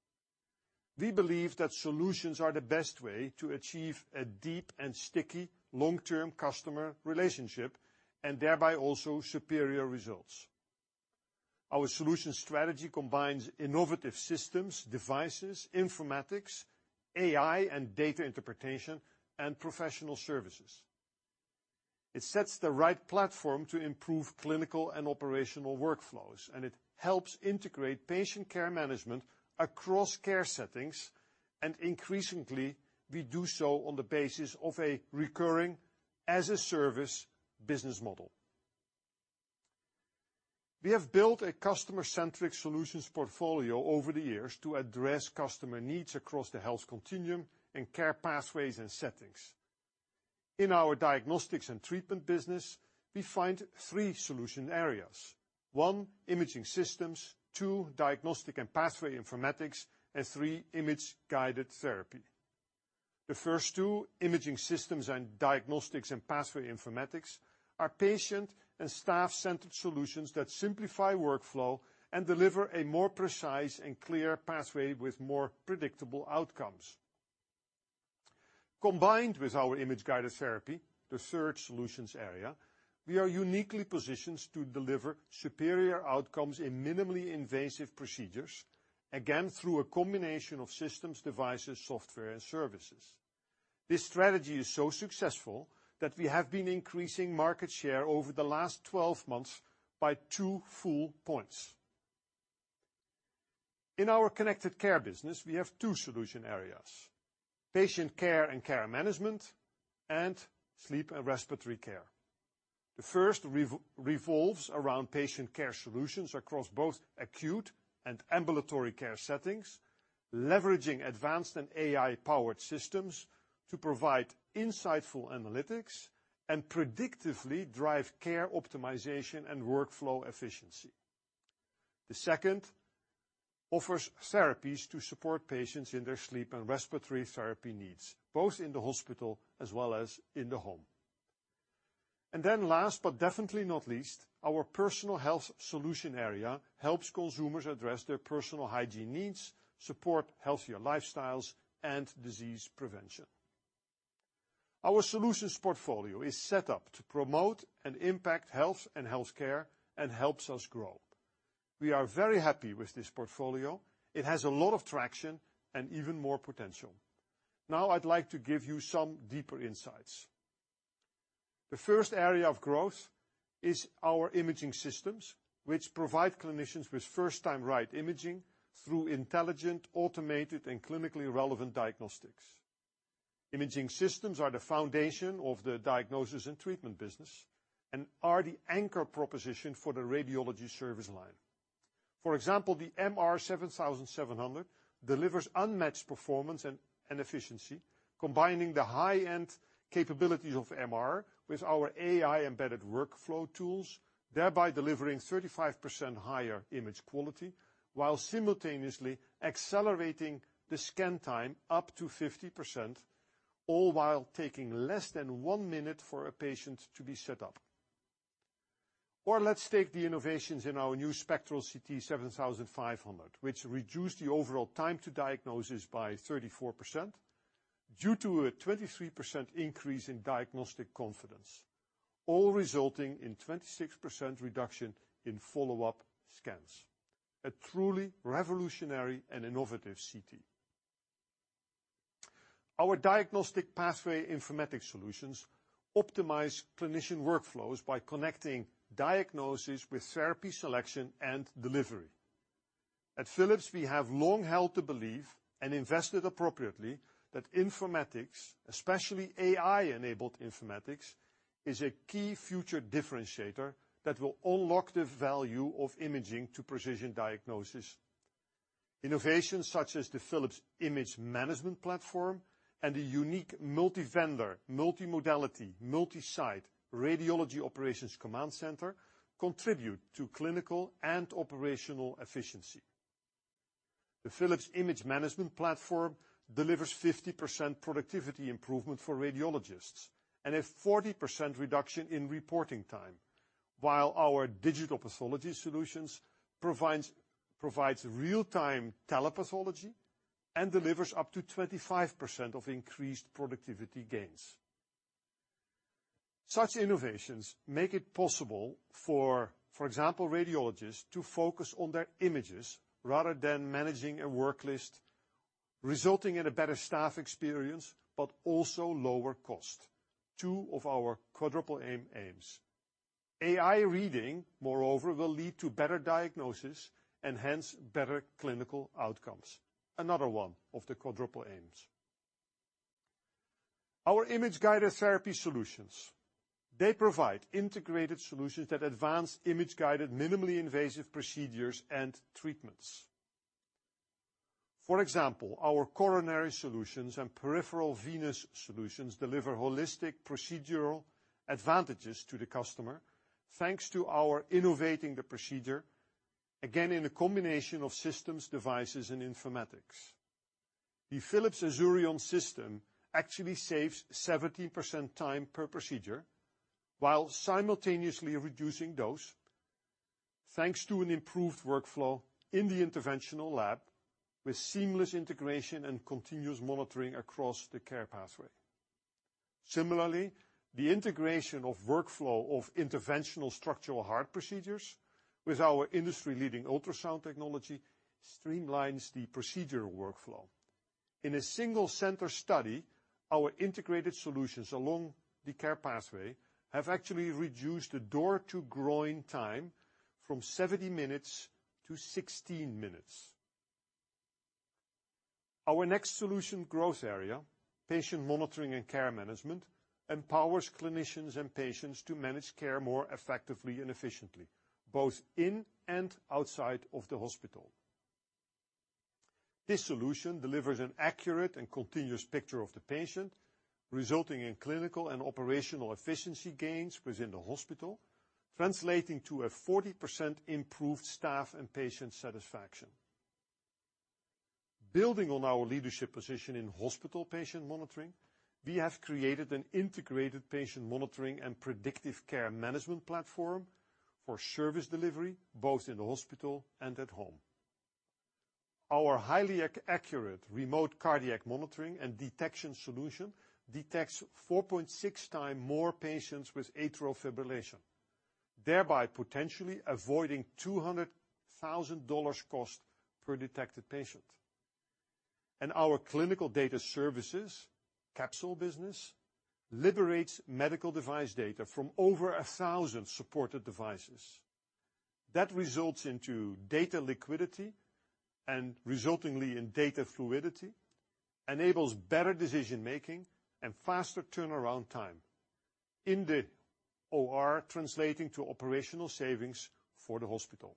We believe that solutions are the best way to achieve a deep and sticky long-term customer relationship, and thereby also superior results. Our solution strategy combines innovative systems, devices, informatics, AI and data interpretation, and professional services. It sets the right platform to improve clinical and operational workflows, and it helps integrate patient care management across care settings, and increasingly we do so on the basis of a recurring as a service business model. We have built a customer-centric solutions portfolio over the years to address customer needs across the health continuum and care pathways and settings. In our Diagnosis and Treatment business, we find three solution areas. One, imaging systems, two, diagnostic and pathway informatics, and three, image-guided therapy. The first two, imaging systems and diagnostics and pathway informatics, are patient and staff-centered solutions that simplify workflow and deliver a more precise and clear pathway with more predictable outcomes. Combined with our image-guided therapy, the third solutions area, we are uniquely positioned to deliver superior outcomes in minimally invasive procedures, again through a combination of systems, devices, software, and services. This strategy is so successful that we have been increasing market share over the last 12 months by two full points. In our Connected Care business, we have two solution areas, Patient Care and Care Management, and Sleep and Respiratory Care. The first revolves around patient care solutions across both acute and ambulatory care settings, leveraging advanced and AI powered systems to provide insightful analytics and predictively drive care optimization and workflow efficiency. The second offers therapies to support patients in their sleep and respiratory therapy needs, both in the hospital as well as in the home. Last but definitely not least, our Personal Health solution area helps consumers address their personal hygiene needs, support healthier lifestyles, and disease prevention. Our solutions portfolio is set up to promote and impact health and healthcare and helps us grow. We are very happy with this portfolio. It has a lot of traction and even more potential. Now I'd like to give you some deeper insights. The first area of growth is our imaging systems, which provide clinicians with first-time-right imaging through intelligent, automated, and clinically relevant diagnostics. Imaging systems are the foundation of the Diagnosis and Treatment business and are the anchor proposition for the radiology service line. For example, the MR 7700 delivers unmatched performance and efficiency, combining the high-end capabilities of MR with our AI embedded workflow tools, thereby delivering 35% higher image quality while simultaneously accelerating the scan time up to 50%, all while taking less than 1 minute for a patient to be set up. Let's take the innovations in our new Spectral CT 7500, which reduced the overall time to diagnosis by 34% due to a 23% increase in diagnostic confidence, all resulting in 26% reduction in follow-up scans. A truly revolutionary and innovative CT. Our diagnostic pathway informatics solutions optimize clinician workflows by connecting diagnosis with therapy selection and delivery. At Philips, we have long held the belief and invested appropriately that informatics, especially AI-enabled informatics, is a key future differentiator that will unlock the value of imaging to precision diagnosis. Innovations such as the Philips Image Management System and the unique multi-vendor, multimodality, multi-site radiology operations command center contribute to clinical and operational efficiency. The Philips Image Management System delivers 50% productivity improvement for radiologists and a 40% reduction in reporting time. While our Digital Pathology solutions provides real-time telepathology and delivers up to 25% increased productivity gains. Such innovations make it possible for example, radiologists to focus on their images rather than managing a work list, resulting in a better staff experience, but also lower cost, two of our Quadruple Aims. AI reading, moreover, will lead to better diagnosis and hence better clinical outcomes, another one of the Quadruple Aims. Our Image-guided therapy solutions, they provide integrated solutions that advance image-guided, minimally invasive procedures and treatments. For example, our coronary solutions and peripheral venous solutions deliver holistic procedural advantages to the customer, thanks to our innovating the procedure, again in a combination of systems, devices, and informatics. The Philips Azurion system actually saves 70% time per procedure while simultaneously reducing dose, thanks to an improved workflow in the interventional lab with seamless integration and continuous monitoring across the care pathway. Similarly, the integration of workflow of interventional structural heart procedures with our industry-leading ultrasound technology streamlines the procedure workflow. In a single center study, our integrated solutions along the care pathway have actually reduced the door to groin time from 70 minutes-16 minutes. Our next solution growth area, patient monitoring and care management, empowers clinicians and patients to manage care more effectively and efficiently, both in and outside of the hospital. This solution delivers an accurate and continuous picture of the patient, resulting in clinical and operational efficiency gains within the hospital, translating to a 40% improved staff and patient satisfaction. Building on our leadership position in Hospital Patient Monitoring, we have created an integrated patient monitoring and predictive care management platform for service delivery, both in the hospital and at home. Our highly accurate remote cardiac monitoring and detection solution detects 4.6 times more patients with atrial fibrillation, thereby potentially avoiding $200,000 cost per detected patient. Our clinical data services, Capsule business, liberates medical device data from over 1,000 supported devices. That results in data liquidity and resulting in data fluidity, enables better decision-making, and faster turnaround time. In the OR, translating to operational savings for the hospital.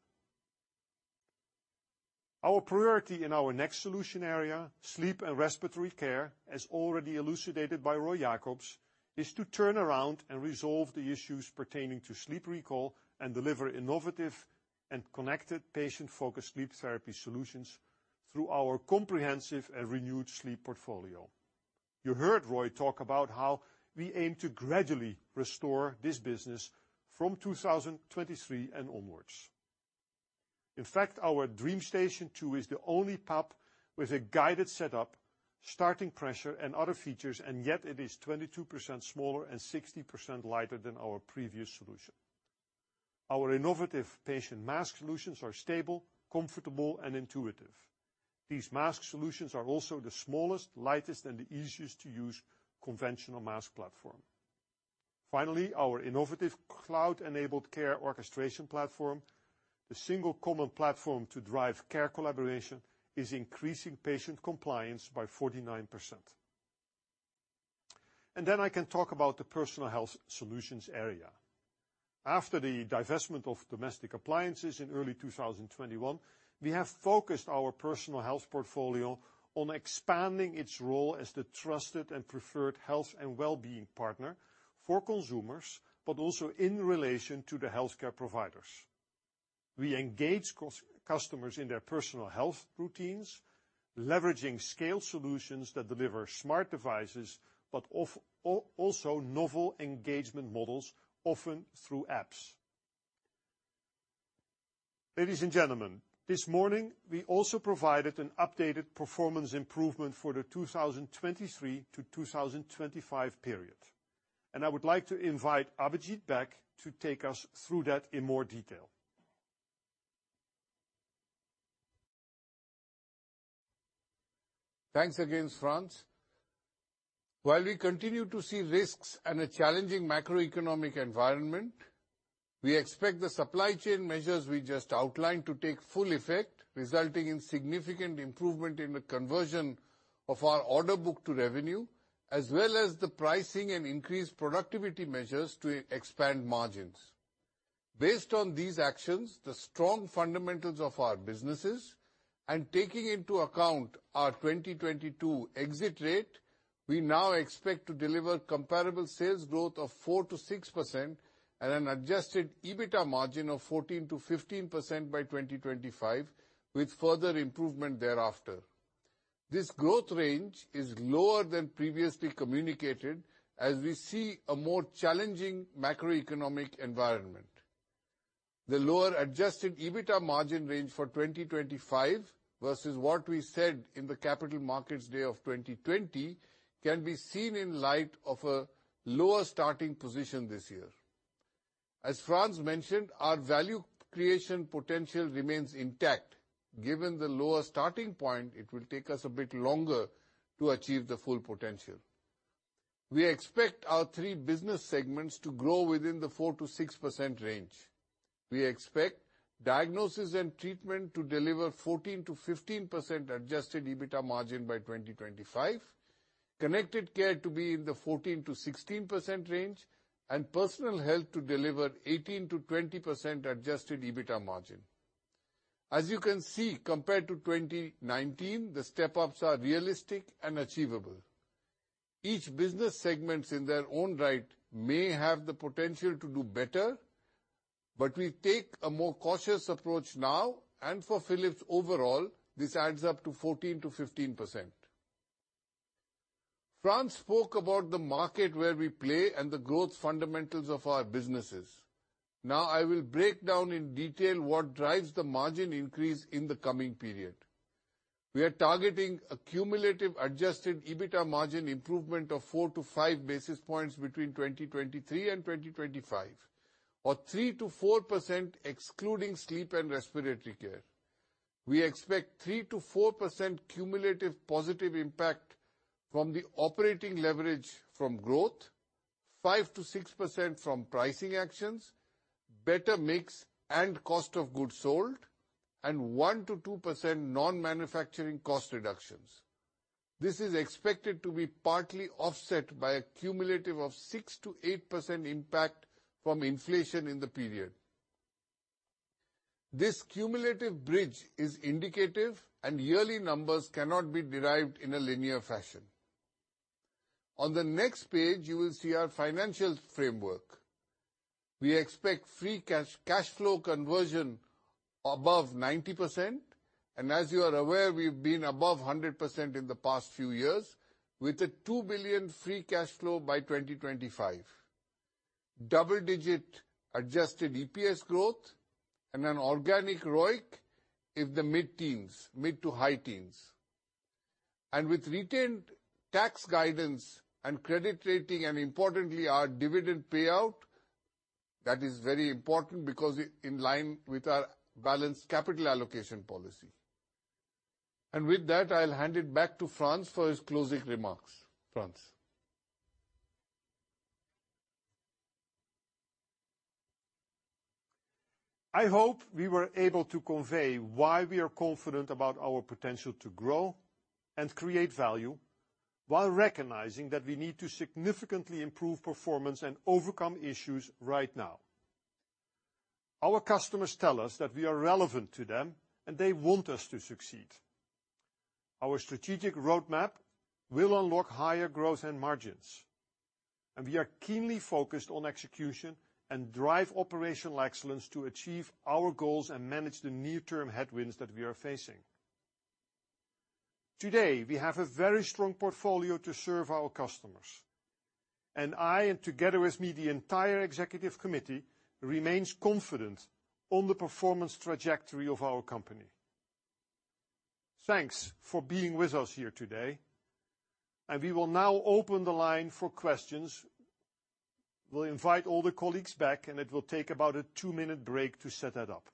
Our priority in our next solution area, Sleep and Respiratory Care, as already elucidated by Roy Jakobs, is to turn around and resolve the issues pertaining to sleep recall and deliver innovative and connected patient-focused sleep therapy solutions through our comprehensive and renewed sleep portfolio. You heard Roy talk about how we aim to gradually restore this business from 2023 and onwards. In fact, our DreamStation 2 is the only PAP with a guided setup, starting pressure, and other features, and yet it is 22% smaller and 60% lighter than our previous solution. Our innovative patient mask solutions are stable, comfortable, and intuitive. These mask solutions are also the smallest, lightest, and the easiest to use conventional mask platform. Finally, our innovative cloud-enabled care orchestration platform, the single common platform to drive care collaboration, is increasing patient compliance by 49%. I can talk about the Personal Health solutions area. After the divestment of domestic appliances in early 2021, we have focused our Personal Health portfolio on expanding its role as the trusted and preferred health and well-being partner for consumers, but also in relation to the healthcare providers. We engage customers in their personal health routines, leveraging scale solutions that deliver smart devices, but also novel engagement models, often through apps. Ladies and gentlemen, this morning we also provided an updated performance improvement for the 2023 to 2025 period. I would like to invite Abhijit back to take us through that in more detail. Thanks again, Frans. While we continue to see risks and a challenging macroeconomic environment, we expect the supply chain measures we just outlined to take full effect, resulting in significant improvement in the conversion of our order book to revenue, as well as the pricing and increased productivity measures to expand margins. Based on these actions, the strong fundamentals of our businesses and taking into account our 2022 exit rate. We now expect to deliver comparable sales growth of 4%-6% and an adjusted EBITDA margin of 14%-15% by 2025, with further improvement thereafter. This growth range is lower than previously communicated as we see a more challenging macroeconomic environment. The lower adjusted EBITDA margin range for 2025 versus what we said in the capital markets day of 2020 can be seen in light of a lower starting position this year. As Frans mentioned, our value creation potential remains intact. Given the lower starting point, it will take us a bit longer to achieve the full potential. We expect our three business segments to grow within the 4%-6% range. We expect Diagnosis & Treatment to deliver 14%-15% Adjusted EBITA margin by 2025, Connected Care to be in the 14%-16% range, and Personal Health to deliver 18%-20% Adjusted EBITA margin. As you can see, compared to 2019, the step-ups are realistic and achievable. Each business segments in their own right may have the potential to do better, but we take a more cautious approach now, and for Philips overall, this adds up to 14%-15%. Frans spoke about the market where we play and the growth fundamentals of our businesses. Now I will break down in detail what drives the margin increase in the coming period. We are targeting a cumulative Adjusted EBITA margin improvement of 4-5 basis points between 2023 and 2025 or 3%-4% excluding Sleep and Respiratory Care. We expect 3%-4% cumulative positive impact from the operating leverage from growth, 5%-6% from pricing actions, better mix and cost of goods sold, and 1%-2% non-manufacturing cost reductions. This is expected to be partly offset by a cumulative of 6%-8% impact from inflation in the period. This cumulative bridge is indicative and yearly numbers cannot be derived in a linear fashion. On the next page, you will see our financial framework. We expect free cash flow conversion above 90%, and as you are aware, we've been above 100% in the past few years with 2 billion free cash flow by 2025. Double-digit adjusted EPS growth and an organic ROIC in the mid-teens, mid to high teens. With reiterated EBITA guidance and credit rating, and importantly our dividend payout, that is very important because it's in line with our balanced capital allocation policy. With that, I'll hand it back to Frans for his closing remarks. Frans? I hope we were able to convey why we are confident about our potential to grow and create value while recognizing that we need to significantly improve performance and overcome issues right now. Our customers tell us that we are relevant to them, and they want us to succeed. Our strategic roadmap will unlock higher growth and margins, and we are keenly focused on execution and drive operational excellence to achieve our goals and manage the near-term headwinds that we are facing. Today, we have a very strong portfolio to serve our customers. I, and together with me, the entire executive committee remains confident on the performance trajectory of our company. Thanks for being with us here today, and we will now open the line for questions. We'll invite all the colleagues back, and it will take about a two-minute break to set that up.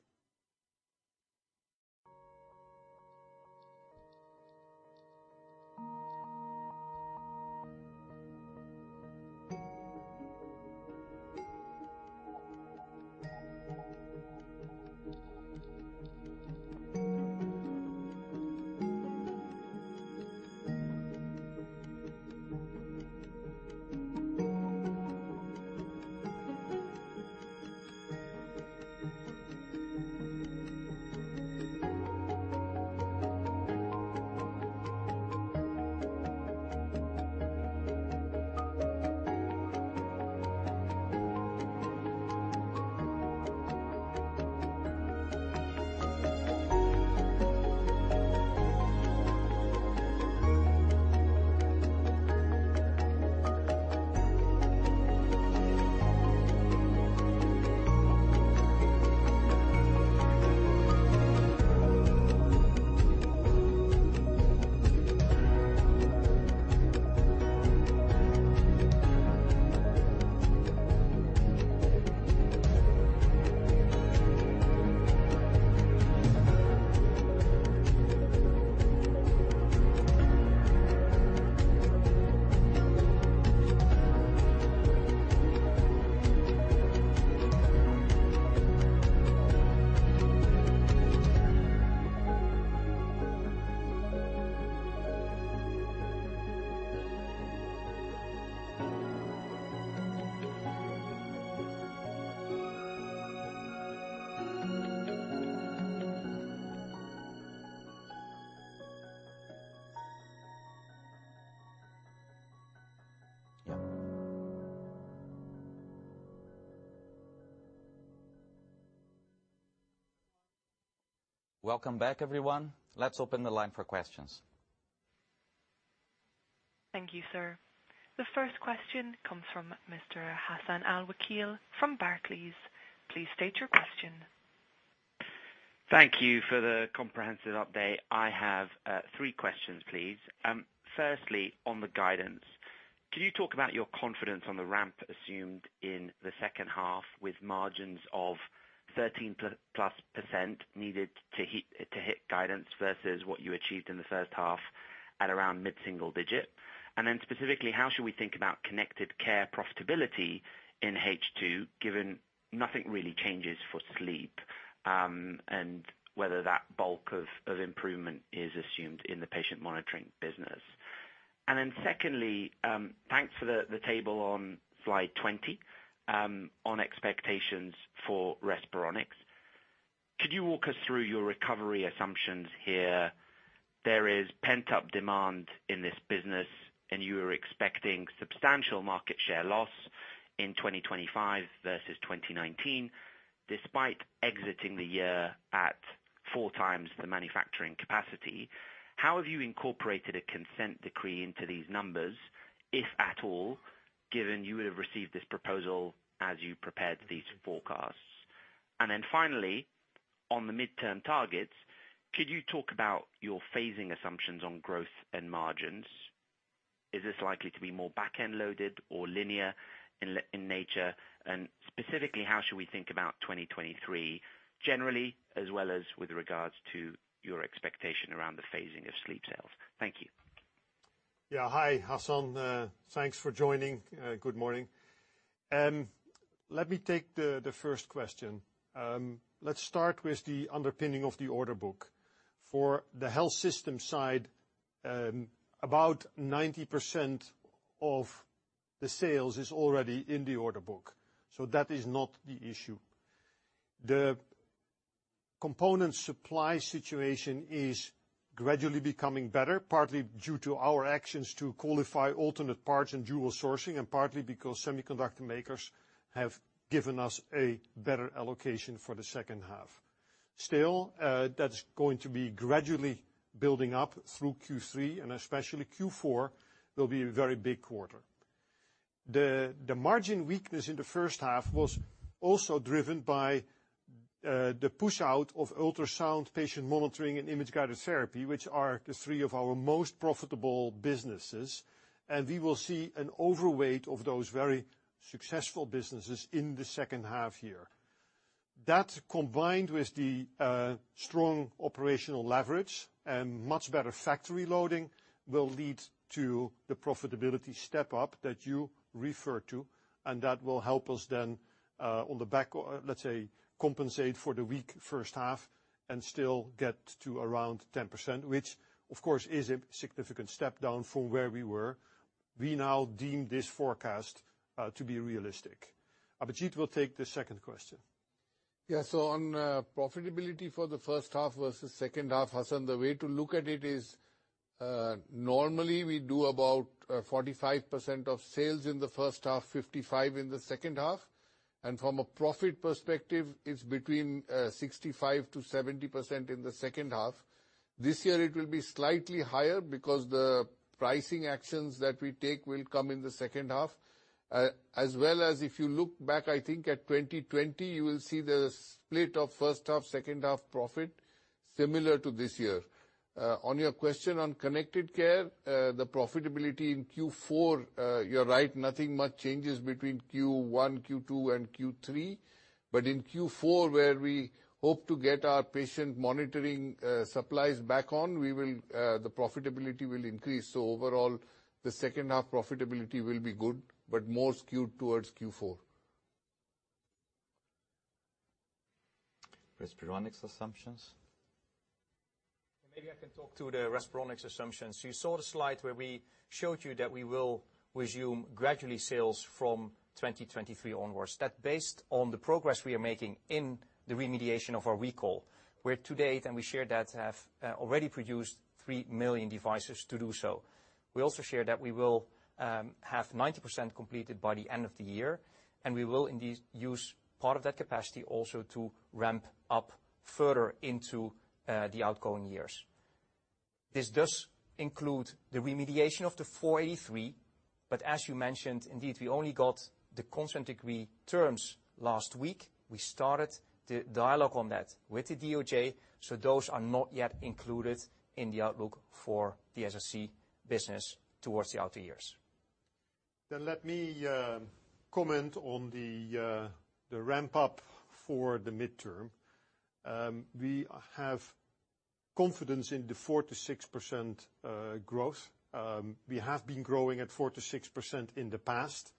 Welcome back, everyone. Let's open the line for questions. Thank you, sir. The first question comes from Mr. Hassan Al-Wakeel from Barclays. Please state your question. Thank you for the comprehensive update. I have three questions, please. First, on the guidance, can you talk about your confidence on the ramp assumed in the second half with margins of 13%+ needed to hit guidance versus what you achieved in the first half at around mid-single-digit? Specifically, how should we think about Connected Care profitability in H2, given nothing really changes for sleep, and whether that bulk of improvement is assumed in the Patient Monitoring business. Second, thanks for the table on slide 20 on expectations for Respironics. Could you walk us through your recovery assumptions here? There is pent-up demand in this business, and you are expecting substantial market share loss in 2025 versus 2019, despite exiting the year at four times the manufacturing capacity. How have you incorporated a consent decree into these numbers, if at all, given you would have received this proposal as you prepared these forecasts? Then finally, on the midterm targets, could you talk about your phasing assumptions on growth and margins? Is this likely to be more back-end loaded or linear in nature? Specifically, how should we think about 2023 generally, as well as with regards to your expectation around the phasing of sleep sales? Thank you. Yeah. Hi, Hassan. Thanks for joining. Good morning. Let me take the first question. Let's start with the underpinning of the order book. For the health system side, about 90% of the sales is already in the order book, so that is not the issue. The component supply situation is gradually becoming better, partly due to our actions to qualify alternate parts and dual sourcing, and partly because semiconductor makers have given us a better allocation for the second half. Still, that's going to be gradually building up through Q3, and especially Q4 will be a very big quarter. The margin weakness in the first half was also driven by the push out of ultrasound, patient monitoring, and image-guided therapy, which are three of our most profitable businesses. We will see an overweight of those very successful businesses in the second half year. That, combined with the strong operational leverage and much better factory loading, will lead to the profitability step up that you refer to, and that will help us then, on the back, let's say, compensate for the weak first half and still get to around 10%, which of course is a significant step down from where we were. We now deem this forecast to be realistic. Abhijit will take the second question. On profitability for the first half versus second half, Hassan, the way to look at it is, normally we do about 45% of sales in the first half, 55% in the second half. From a profit perspective, it's between 65%-70% in the second half. This year it will be slightly higher because the pricing actions that we take will come in the second half. As well as if you look back, I think, at 2020, you will see there's a split of first half, second half profit similar to this year. On your question on Connected Care, the profitability in Q4, you're right, nothing much changes between Q1, Q2, and Q3. But in Q4, where we hope to get our Patient Monitoring supplies back on, we will, the profitability will increase. Overall, the second half profitability will be good, but more skewed towards Q4. Respironics assumptions. Maybe I can talk to the Respironics assumptions. You saw the slide where we showed you that we will resume gradually sales from 2023 onwards. That based on the progress we are making in the remediation of our recall, where to date, and we shared that, have already produced 3 million devices to do so. We also shared that we will have 90% completed by the end of the year, and we will indeed use part of that capacity also to ramp up further into the outer years. This does include the remediation of the 483, but as you mentioned, indeed, we only got the consent decree terms last week. We started the dialogue on that with the DOJ, so those are not yet included in the outlook for the S&RC business towards the outer years. Let me comment on the ramp up for the midterm. We have confidence in the 4%-6% growth. We have been growing at 4%-6% in the past,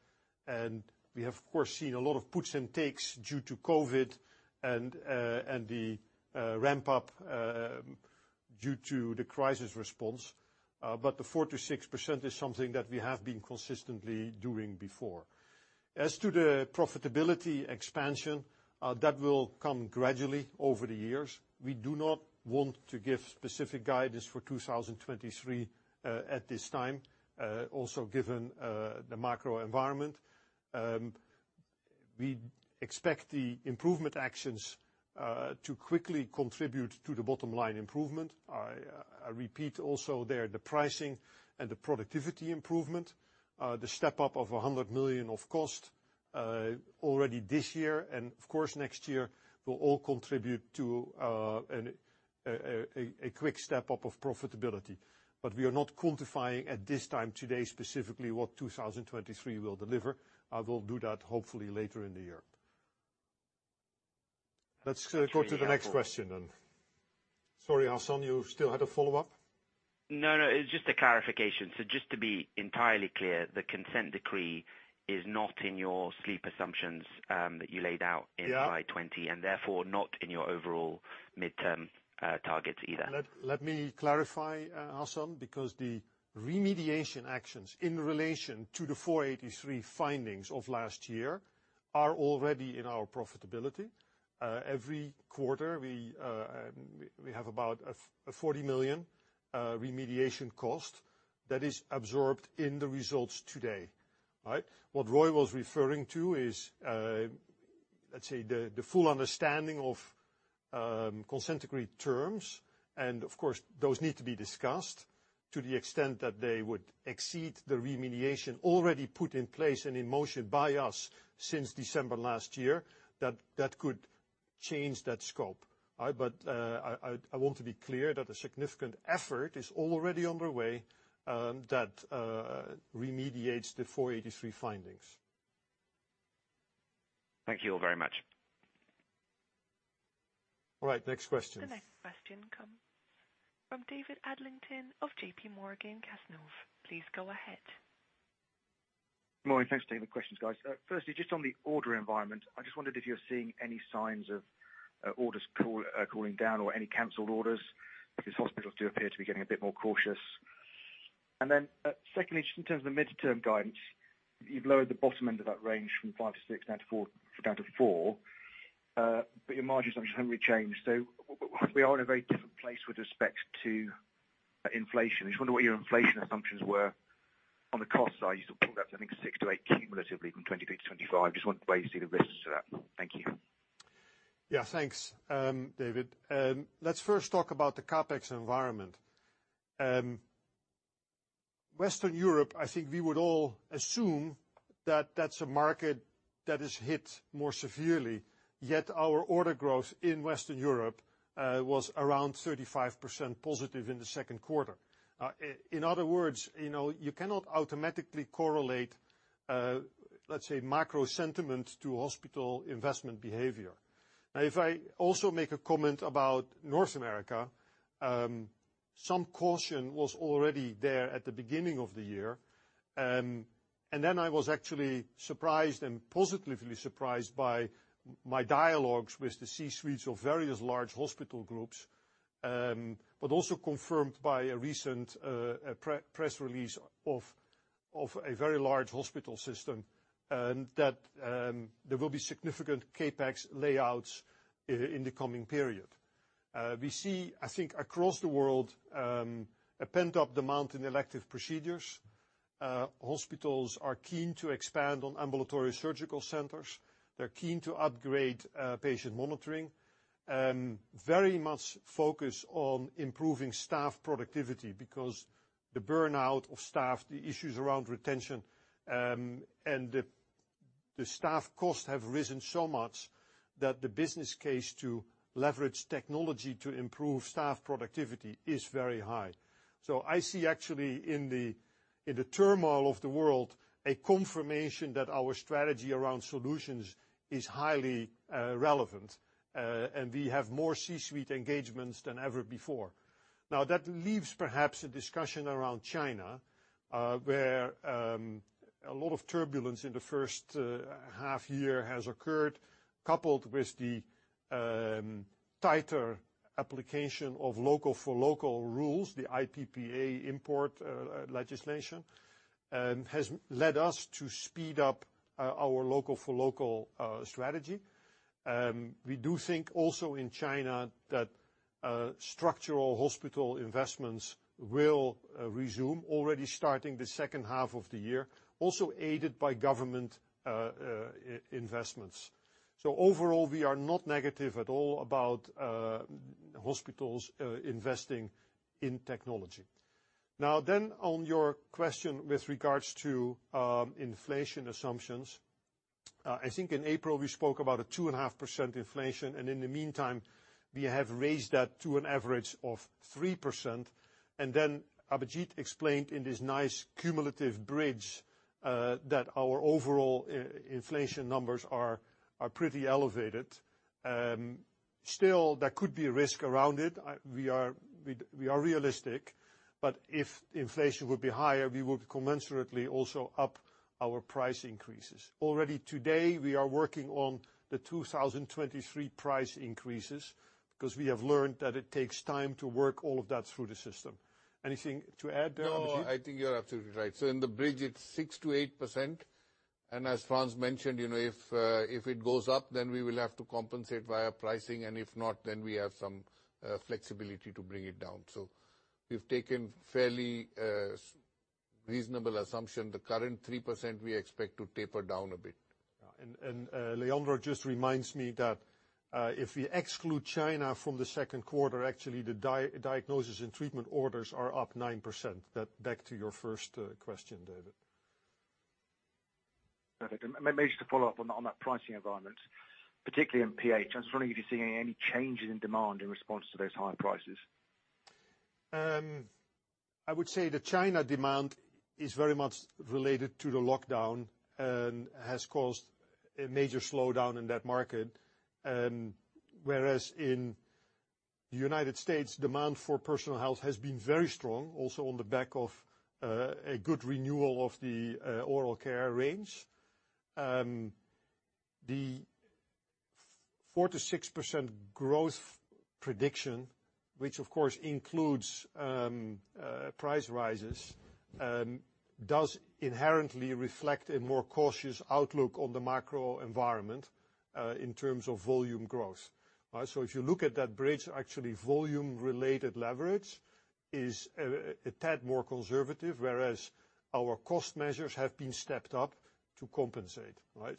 and we have, of course, seen a lot of puts and takes due to COVID and the ramp up due to the crisis response. The 4%-6% is something that we have been consistently doing before. As to the profitability expansion, that will come gradually over the years. We do not want to give specific guidance for 2023 at this time, also given the macro environment. We expect the improvement actions to quickly contribute to the bottom-line improvement. I repeat also there the pricing and the productivity improvement. The step up of 100 million of cost already this year. Of course, next year will all contribute to a quick step up of profitability. We are not quantifying at this time today specifically what 2023 will deliver. I will do that hopefully later in the year. Let's go to the next question then. Sorry, Hassan, you still had a follow-up? No, no, it's just a clarification. Just to be entirely clear, the consent decree is not in your sleep assumptions, that you laid out. Yeah in FY 2020 and therefore not in your overall midterm targets either. Let me clarify, Hassan, because the remediation actions in relation to the 483 findings of last year are already in our profitability. Every quarter we have about 40 million remediation cost that is absorbed in the results today. All right? What Roy was referring to is, let's say the full understanding of consent decree terms. Of course, those need to be discussed to the extent that they would exceed the remediation already put in place and in motion by us since December last year, that could change that scope. But I want to be clear that a significant effort is already underway, that remediates the 483 findings. Thank you all very much. All right, next question. The next question comes from David Adlington of JPMorgan Cazenove. Please go ahead. Morning. Thanks for taking the questions, guys. Firstly, just on the order environment, I just wondered if you're seeing any signs of orders cooling down or any canceled orders, because hospitals do appear to be getting a bit more cautious. Secondly, just in terms of mid-term guidance, you've lowered the bottom end of that range from 5%-6% now to 4%, but your margin assumptions haven't really changed. We are in a very different place with respect to inflation. I just wonder what your inflation assumptions were on the cost side. You still pulled up, I think, 6%-8% cumulatively from 2023 to 2025. Just wonder where you see the risks to that. Thank you. Yeah, thanks, David. Let's first talk about the CapEx environment. Western Europe, I think we would all assume that that's a market that is hit more severely, yet our order growth in Western Europe was around 35% positive in the second quarter. In other words, you know, you cannot automatically correlate, let's say, macro sentiment to hospital investment behavior. Now, if I also make a comment about North America, some caution was already there at the beginning of the year. And then I was actually surprised, and positively surprised by my dialogues with the C-suites of various large hospital groups, but also confirmed by a recent press release of a very large hospital system, that there will be significant CapEx outlays in the coming period. We see, I think, across the world, a pent-up demand in elective procedures. Hospitals are keen to expand on ambulatory surgical centers. They're keen to upgrade patient monitoring, very much focused on improving staff productivity because the burnout of staff, the issues around retention, and the staff costs have risen so much that the business case to leverage technology to improve staff productivity is very high. I see actually in the turmoil of the world, a confirmation that our strategy around solutions is highly relevant, and we have more C-suite engagements than ever before. Now, that leaves perhaps a discussion around China, where a lot of turbulence in the first half year has occurred, coupled with the tighter application of local-for-local rules, the IEEPA import legislation has led us to speed up our local-for-local strategy. We do think also in China that structural hospital investments will resume already starting the second half of the year, also aided by government investments. Overall, we are not negative at all about hospitals investing in technology. Now then, on your question with regards to inflation assumptions, I think in April we spoke about a 2.5% inflation, and in the meantime, we have raised that to an average of 3%. Abhijit explained in this nice cumulative bridge that our overall inflation numbers are pretty elevated. Still, there could be a risk around it. We are realistic, but if inflation would be higher, we would commensurately also up our price increases. Already today, we are working on the 2023 price increases because we have learned that it takes time to work all of that through the system. Anything to add there, Abhijit? No, I think you are absolutely right. In the bridge, it's 6%-8%. As Frans mentioned, you know, if it goes up, then we will have to compensate via pricing, and if not, then we have some flexibility to bring it down. We've taken fairly reasonable assumption. The current 3% we expect to taper down a bit. Leandro just reminds me that if you exclude China from the second quarter, actually the Diagnosis & Treatment orders are up 9%. Going back to your first question, David. Perfect. Maybe just to follow up on that pricing environment, particularly in PH, I was wondering if you're seeing any changes in demand in response to those higher prices? I would say the China demand is very much related to the lockdown and has caused a major slowdown in that market, whereas in United States, demand for Personal Health has been very strong, also on the back of a good renewal of the oral care range. The 4%-6% growth prediction, which of course includes price rises, does inherently reflect a more cautious outlook on the macro environment in terms of volume growth. If you look at that bridge, actually volume-related leverage is a tad more conservative, whereas our cost measures have been stepped up to compensate. Right?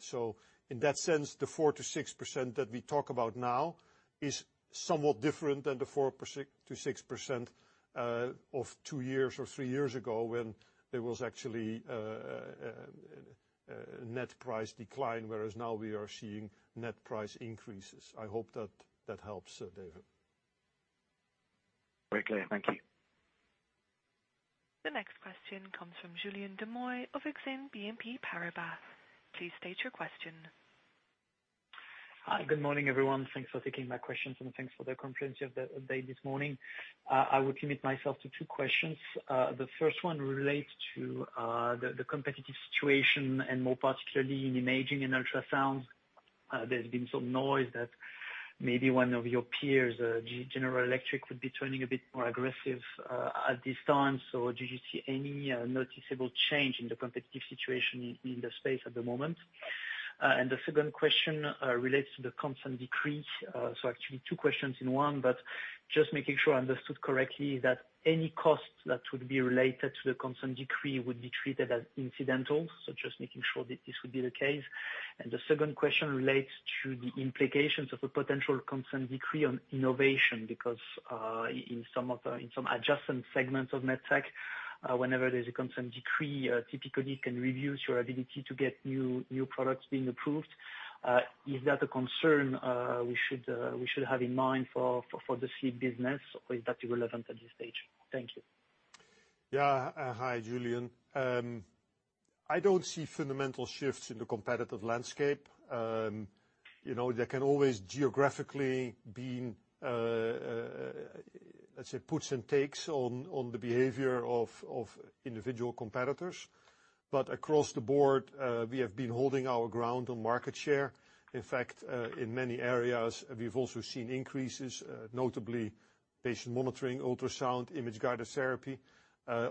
In that sense, the 4%-6% that we talk about now is somewhat different than the 4%-6% of two years or three years ago, when there was actually a net price decline, whereas now we are seeing net price increases. I hope that helps, David. Very clear. Thank you. The next question comes from Julien Dormois of Exane BNP Paribas. Please state your question. Hi, good morning, everyone. Thanks for taking my questions and thanks for the comprehensive update this morning. I will commit myself to two questions. The first one relates to the competitive situation and more particularly in imaging and ultrasound. There's been some noise that maybe one of your peers, General Electric, could be turning a bit more aggressive at this time. Do you see any noticeable change in the competitive situation in the space at the moment? The second question relates to the consent decree. Actually two questions in one, but just making sure I understood correctly, is that any cost that would be related to the consent decree would be treated as incidental? Just making sure that this would be the case. The second question relates to the implications of a potential consent decree on innovation, because in some of the adjacent segments of MedTech, whenever there's a consent decree, typically it can reduce your ability to get new products being approved. Is that a concern we should have in mind for the S&RC business or is that irrelevant at this stage? Thank you. Yeah. Hi, Julien. I don't see fundamental shifts in the competitive landscape. You know, there have always been, geographically, puts and takes on the behavior of individual competitors. Across the board, we have been holding our ground on market share. In fact, in many areas we've also seen increases, notably patient monitoring, ultrasound, image-guided therapy.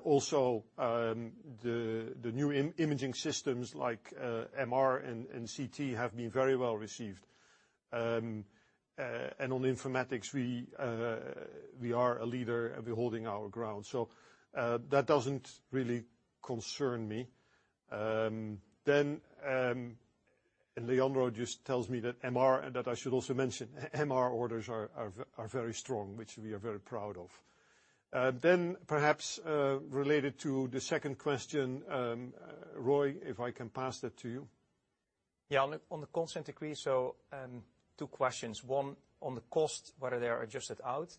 Also, the new imaging systems like MR and CT have been very well received. On informatics, we are a leader and we're holding our ground. That doesn't really concern me. Leandro just tells me that I should also mention MR orders are very strong, which we are very proud of. Perhaps, related to the second question, Roy, if I can pass that to you. Yeah. On the consent decree, two questions. One, on the cost, whether they are adjusted out.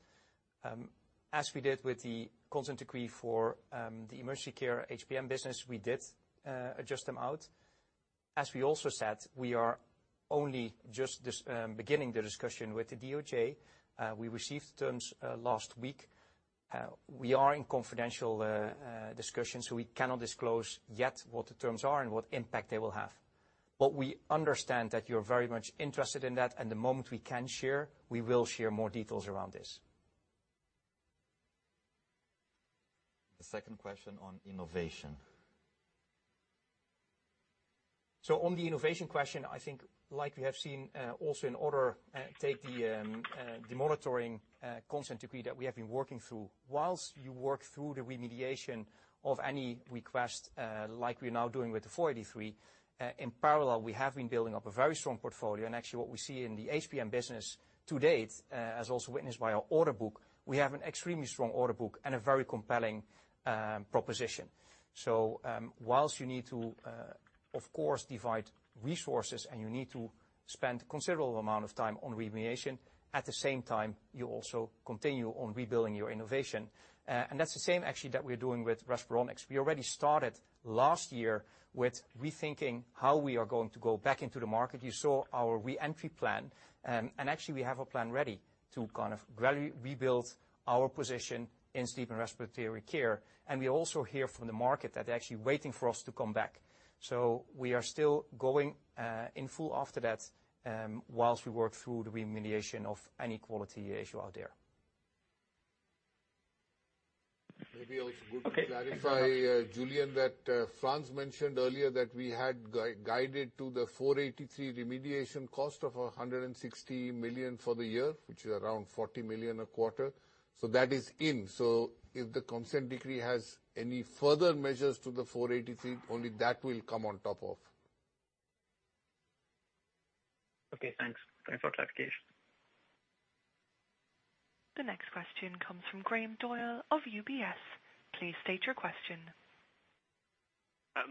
As we did with the consent decree for the emergency care HPM business, we did adjust them out. As we also said, we are only just beginning the discussion with the DOJ. We received the terms last week. We are in confidential discussions, so we cannot disclose yet what the terms are and what impact they will have. But we understand that you're very much interested in that, and the moment we can share, we will share more details around this. The second question on innovation. On the innovation question, I think like we have seen, also in order to tackle the monitoring consent decree that we have been working through, while you work through the remediation of any request, like we're now doing with the 483, in parallel, we have been building up a very strong portfolio. Actually, what we see in the HPM business to date, as also witnessed by our order book, we have an extremely strong order book and a very compelling proposition. While you need to, of course, divide resources and you need to spend considerable amount of time on remediation, at the same time, you also continue on rebuilding your innovation. That's the same actually that we're doing with Respironics. We already started last year with rethinking how we are going to go back into the market. You saw our re-entry plan, and actually we have a plan ready to kind of really rebuild our position in Sleep and Respiratory Care. We also hear from the market that they're actually waiting for us to come back. We are still going in full after that whilst we work through the remediation of any quality issue out there. Maybe also good to clarify, Julien, that Frans mentioned earlier that we had guided to the 483 remediation cost of 160 million for the year, which is around 40 million a quarter. That is in. If the consent decree has any further measures to the 483, only that will come on top of. Okay, thanks. Thanks for clarification. The next question comes from Graham Doyle of UBS. Please state your question.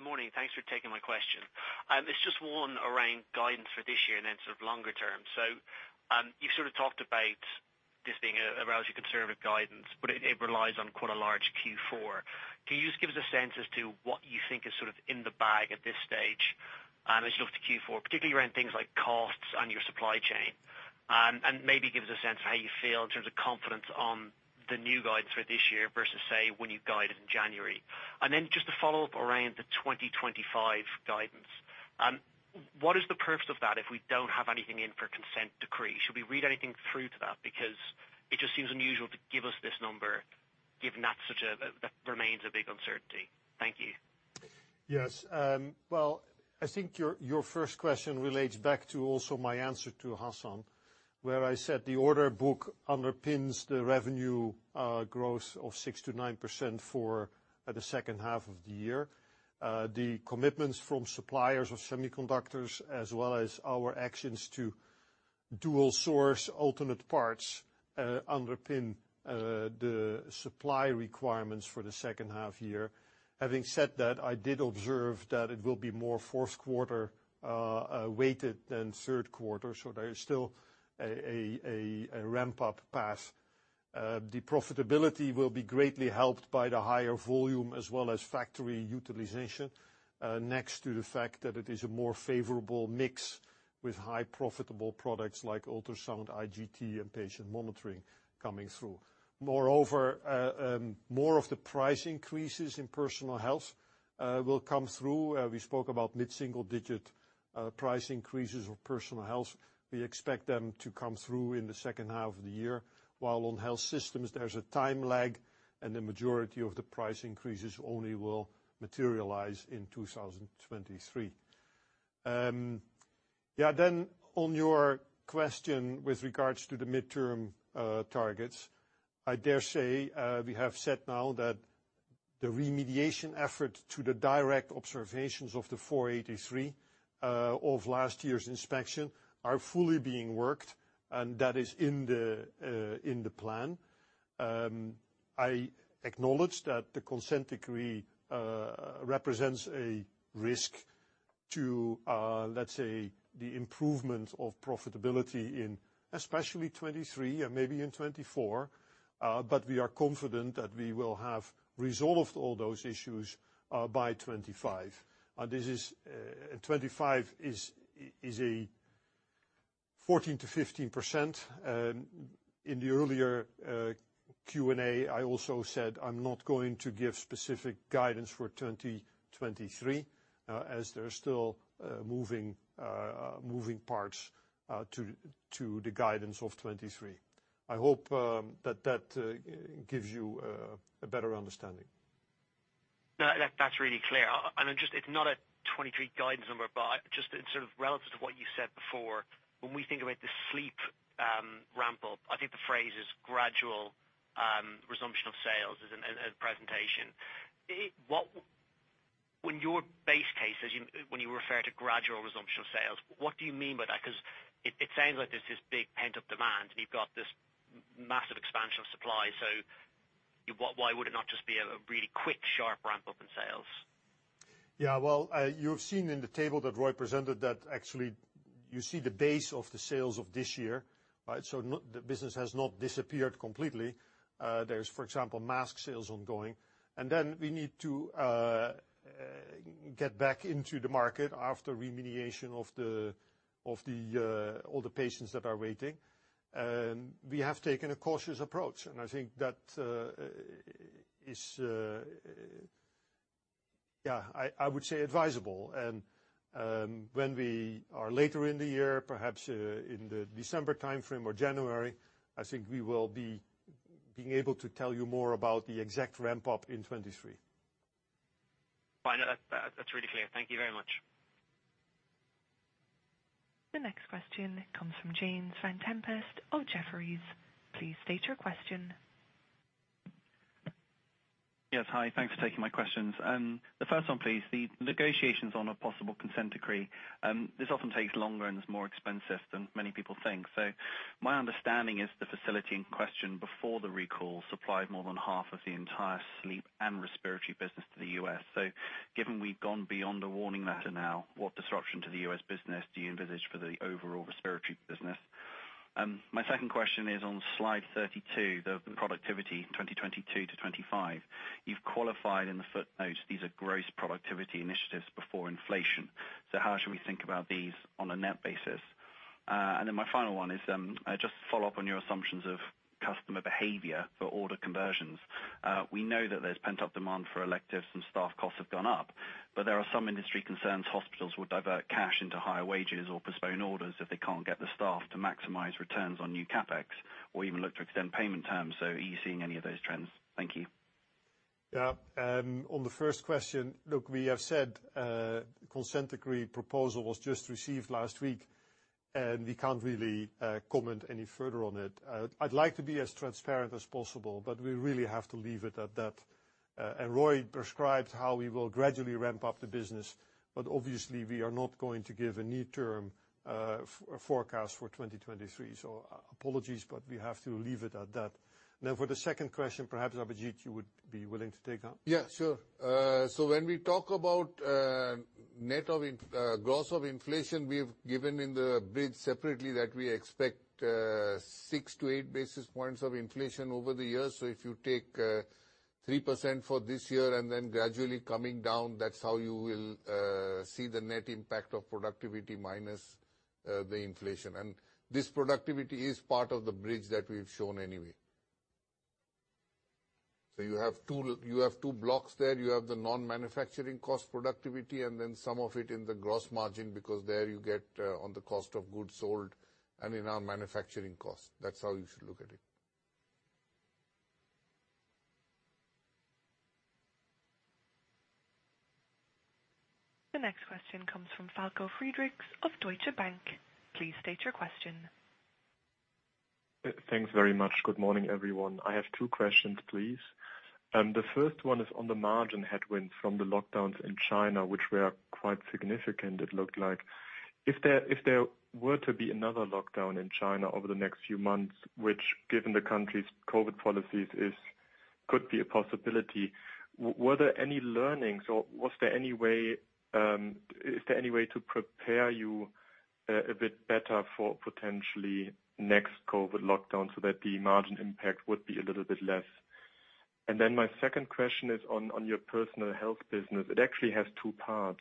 Morning. Thanks for taking my question. It's just one around guidance for this year and then sort of longer term. You sort of talked about this being a relatively conservative guidance, but it relies on quite a large Q4. Can you just give us a sense as to what you think is sort of in the bag at this stage, as you look to Q4, particularly around things like costs and your supply chain? Maybe give us a sense of how you feel in terms of confidence on the new guidance for this year versus, say, when you guided in January. Just to follow up around the 2025 guidance. What is the purpose of that if we don't have anything in for consent decree? Should we read anything through to that? Because it just seems unusual to give us this number, given that remains a big uncertainty. Thank you. Yes. Well, I think your first question relates back to also my answer to Hassan, where I said the order book underpins the revenue growth of 6%-9% for the second half of the year. The commitments from suppliers of semiconductors, as well as our actions to dual source alternate parts, underpin the supply requirements for the second half year. Having said that, I did observe that it will be more fourth quarter weighted than third quarter, so there is still a ramp-up path. The profitability will be greatly helped by the higher volume as well as factory utilization, next to the fact that it is a more favorable mix with high profitable products like Ultrasound, IGT, and Patient Monitoring coming through. Moreover, more of the price increases in Personal Health will come through. We spoke about mid-single-digit price increases of Personal Health. We expect them to come through in the second half of the year. While on health systems, there's a time lag, and the majority of the price increases only will materialize in 2023. Then on your question with regards to the midterm targets, I dare say, we have said now that the remediation effort to the direct observations of the 483 of last year's inspection are fully being worked, and that is in the plan. I acknowledge that the consent decree represents a risk to, let's say, the improvement of profitability in especially 2023 and maybe in 2024. We are confident that we will have resolved all those issues by 2025. This is, and 2025 is a 14%-15%. In the earlier Q&A, I also said I'm not going to give specific guidance for 2023, as there are still moving parts to the guidance of 2023. I hope that gives you a better understanding. No, that's really clear. Then just it's not a 2023 guidance number, but just in sort of relative to what you said before, when we think about the sleep ramp up, I think the phrase is gradual resumption of sales in presentation. When you refer to gradual resumption of sales, what do you mean by that? Because it sounds like there's this big pent-up demand, and you've got this massive expansion of supply. Why would it not just be a really quick, sharp ramp-up in sales? Yeah, well, you've seen in the table that Roy presented that actually you see the base of the sales of this year, right? The business has not disappeared completely. There's, for example, mask sales ongoing. Then we need to get back into the market after remediation of all the patients that are waiting. We have taken a cautious approach, and I think that is, yeah, I would say advisable. When we are later in the year, perhaps, in the December timeframe or January, I think we will be able to tell you more about the exact ramp-up in 2023. Fine. That's really clear. Thank you very much. The next question comes from James Vane-Tempest of Jefferies. Please state your question. Yes. Hi. Thanks for taking my questions. The first one, please. The negotiations on a possible consent decree. This often takes longer and is more expensive than many people think. My understanding is the facility in question before the recall supplied more than half of the entire sleep and respiratory business to the U.S. Given we've gone beyond a warning letter now, what disruption to the U.S. business do you envisage for the overall respiratory business? My second question is on slide 32, the productivity 2022 to 2025. You've qualified in the footnote, these are gross productivity initiatives before inflation. How should we think about these on a net basis? My final one is just to follow up on your assumptions of customer behavior for order conversions. We know that there's pent-up demand for electives and staff costs have gone up, but there are some industry concerns hospitals will divert cash into higher wages or postpone orders if they can't get the staff to maximize returns on new CapEx or even look to extend payment terms. Are you seeing any of those trends? Thank you. Yeah. On the first question, look, we have said, consent decree proposal was just received last week, and we can't really comment any further on it. I'd like to be as transparent as possible, but we really have to leave it at that. Roy described how we will gradually ramp up the business. Obviously we are not going to give a near-term forecast for 2023. Apologies, but we have to leave it at that. Now, for the second question, perhaps, Abhijit, you would be willing to take that? Yeah, sure. When we talk about net of inflation, gross of inflation, we've given in the bridge separately that we expect 6-8 basis points of inflation over the years. If you take 3% for this year and then gradually coming down, that's how you will see the net impact of productivity minus the inflation. This productivity is part of the bridge that we've shown anyway. You have two blocks there. You have the non-manufacturing cost productivity and then some of it in the gross margin because there you get on the cost of goods sold and in our manufacturing costs. That's how you should look at it. The next question comes from Falko Friedrichs of Deutsche Bank. Please state your question. Thanks very much. Good morning, everyone. I have two questions, please. The first one is on the margin headwind from the lockdowns in China, which were quite significant, it looked like. If there were to be another lockdown in China over the next few months, which given the country's COVID policies could be a possibility, were there any learnings or was there any way, is there any way to prepare you a bit better for potentially next COVID lockdown so that the margin impact would be a little bit less? My second question is on your Personal Health business. It actually has two parts.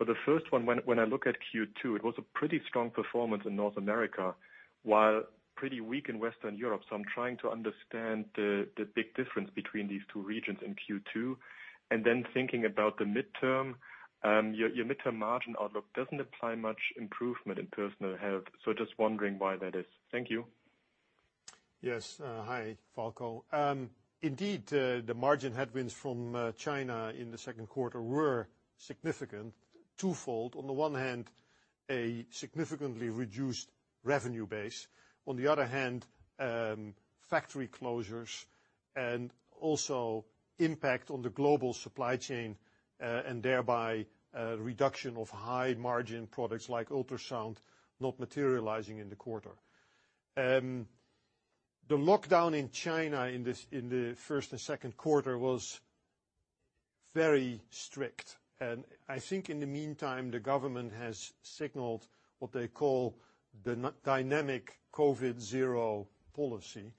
The first one, when I look at Q2, it was a pretty strong performance in North America, while pretty weak in Western Europe. I'm trying to understand the big difference between these two regions in Q2. Thinking about the midterm, your midterm margin outlook doesn't apply much improvement in Personal Health. Just wondering why that is. Thank you. Yes. Hi, Falko. Indeed, the margin headwinds from China in the second quarter were significant. Twofold. On the one hand, a significantly reduced revenue base, on the other hand, factory closures and also impact on the global supply chain, and thereby a reduction of high margin products like ultrasound not materializing in the quarter. The lockdown in China in the first and second quarter was very strict. I think in the meantime, the government has signaled what they call the dynamic COVID-zero policy,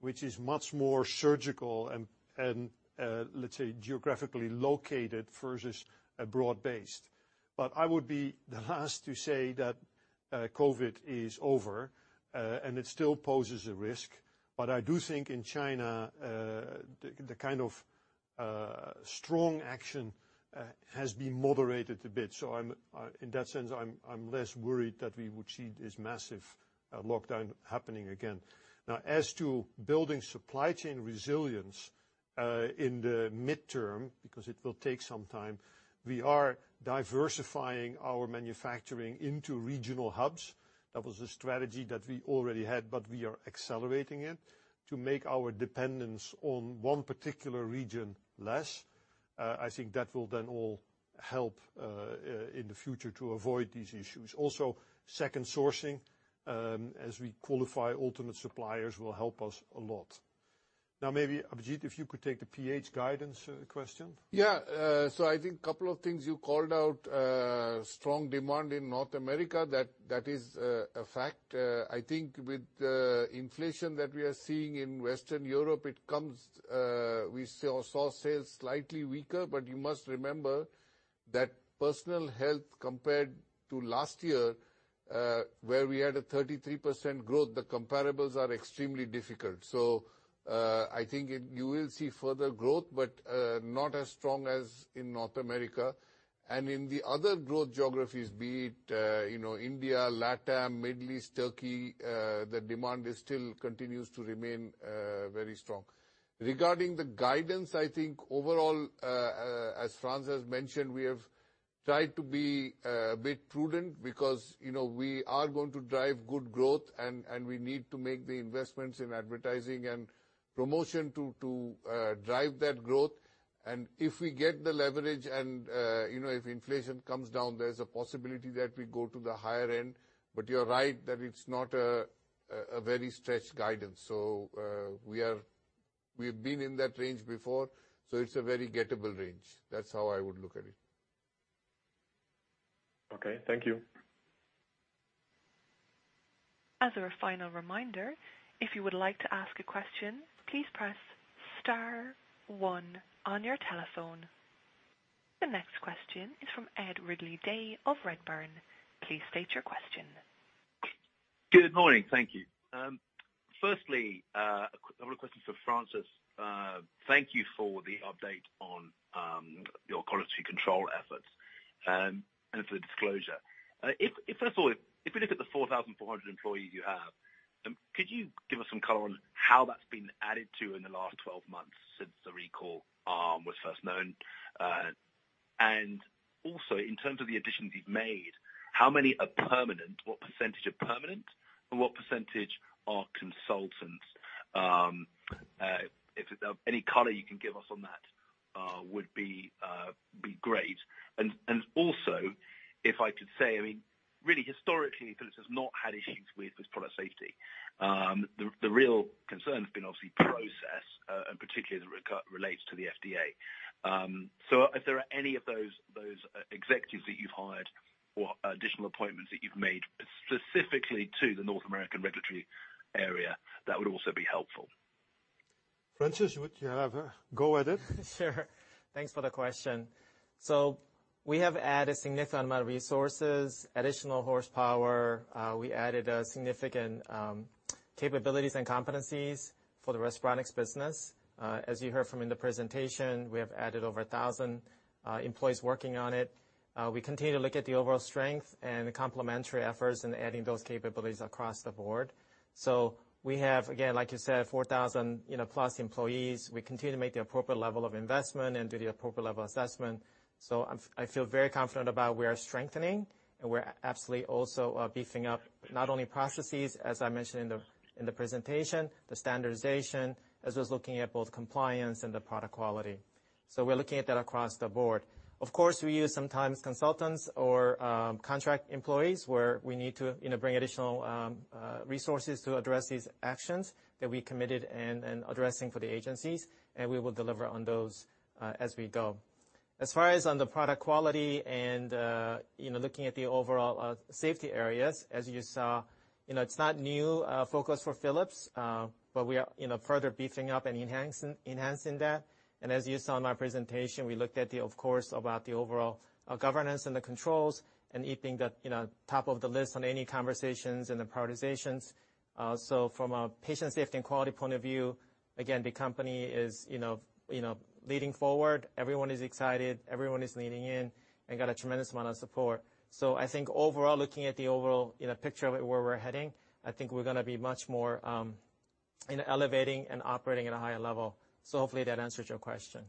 which is much more surgical and let's say geographically located versus broad-based. I would be the last to say that COVID is over, and it still poses a risk. I do think in China, the kind of strong action has been moderated a bit. I'm in that sense less worried that we would see this massive lockdown happening again. Now, as to building supply chain resilience, in the midterm, because it will take some time, we are diversifying our manufacturing into regional hubs. That was a strategy that we already had, but we are accelerating it to make our dependence on one particular region less. I think that will then all help in the future to avoid these issues. Also, second sourcing, as we qualify alternate suppliers will help us a lot. Now, maybe Abhijit, if you could take the PH guidance question. I think couple of things you called out. Strong demand in North America, that is a fact. I think with the inflation that we are seeing in Western Europe, we saw sales slightly weaker, but you must remember that Personal Health compared to last year, where we had a 33% growth, the comparables are extremely difficult. I think you will see further growth, but not as strong as in North America. In the other growth geographies, be it, you know, India, LATAM, Middle East, Turkey, the demand is still continues to remain very strong. Regarding the guidance, I think overall, as Frans has mentioned, we have tried to be a bit prudent because, you know, we are going to drive good growth and we need to make the investments in advertising and promotion to drive that growth. If we get the leverage and, you know, if inflation comes down, there's a possibility that we go to the higher end. You're right that it's not a very stretched guidance. We've been in that range before, so it's a very gettable range. That's how I would look at it. Okay. Thank you. As our final reminder, if you would like to ask a question, please press star one on your telephone. The next question is from Ed Ridley-Day of Redburn. Please state your question. Good morning. Thank you. Firstly, I have a question for Frans van Houten. Thank you for the update on your quality control efforts and for the disclosure. First of all, if we look at the 4,400 employees you have, could you give us some color on how that's been added to in the last 12 months since the recall was first known? Also, in terms of the additions you've made, how many are permanent? What percentage are permanent and what percentage are consultants? If there's any color you can give us on that, would be great. Also, if I could say, I mean, really historically, Philips has not had issues with its product safety. The real concern has been obviously process, and particularly as it relates to the FDA. If there are any of those executives that you've hired or additional appointments that you've made specifically to the North American regulatory area, that would also be helpful. Francis, would you have a go at it? Sure. Thanks for the question. We have added significant amount of resources, additional horsepower. We added a significant capabilities and competencies for the Respironics business. As you heard from in the presentation, we have added over 1,000 employees working on it. We continue to look at the overall strength and the complementary efforts in adding those capabilities across the board. We have, again, like you said, 4,000, you know, plus employees. We continue to make the appropriate level of investment and do the appropriate level assessment. I feel very confident about we are strengthening, and we're absolutely also beefing up not only processes, as I mentioned in the presentation, the standardization, as well as looking at both compliance and the product quality. We're looking at that across the board. Of course, we use sometimes consultants or contract employees where we need to, you know, bring additional resources to address these actions that we committed and addressing for the agencies, and we will deliver on those as we go. As far as on the product quality and you know, looking at the overall safety areas, as you saw, you know, it's not new focus for Philips, but we are, you know, further beefing up and enhancing that. As you saw in my presentation, we looked at the, of course, about the overall governance and the controls, and it being the, you know, top of the list on any conversations and the prioritizations. From a patient safety and quality point of view, again, the company is, you know, leading forward. Everyone is excited, everyone is leaning in and got a tremendous amount of support. I think overall, looking at the overall, you know, picture of it, where we're heading, I think we're gonna be much more, you know, elevating and operating at a higher level. Hopefully that answers your question.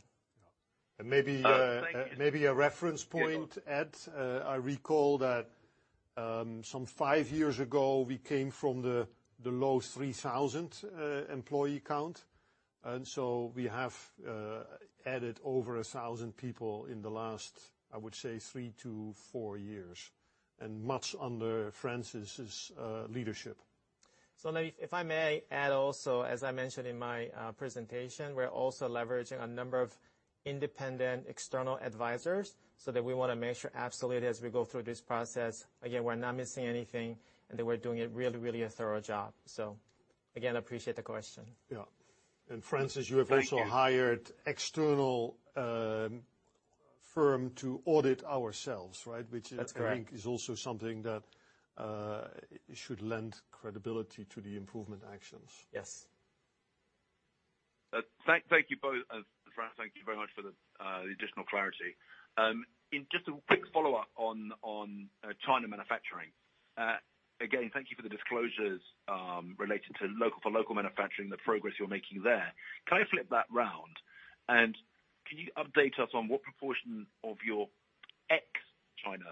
Yeah. Maybe, Oh, thank you. Maybe a reference point, Ed. Yeah. I recall that some five years ago, we came from the low 3,000 employee count, and we have added over 1,000 people in the last, I would say, 3-4 years, and much under Francis' leadership. Let me. If I may add also, as I mentioned in my presentation, we're also leveraging a number of independent external advisors so that we wanna make sure absolutely as we go through this process, again, we're not missing anything, and that we're doing a really thorough job. Again, I appreciate the question. Yeah. Francis, you have also- Thank you. hired external firm to audit ourselves, right? Which is- That's correct. I think is also something that should lend credibility to the improvement actions. Yes. Thank you both. Francis, thank you very much for the additional clarity. Just a quick follow-up on China manufacturing. Again, thank you for the disclosures relating to local manufacturing, the progress you're making there. Can I flip that round, and can you update us on what proportion of your ex-China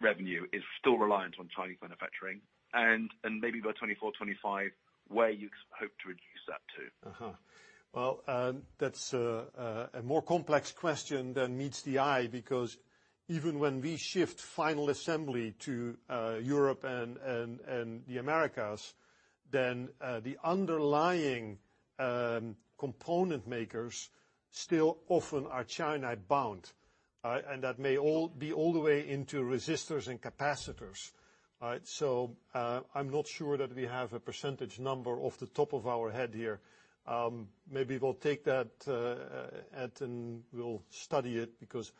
revenue is still reliant on China manufacturing? Maybe by 2024, 2025, where you hope to reduce that to? Well, that's a more complex question than meets the eye because even when we shift final assembly to Europe and the Americas, then the underlying component makers still often are China-bound. That may all be all the way into resistors and capacitors. I'm not sure that we have a percentage number off the top of our head here. Maybe we'll take that, Ed, and we'll study it because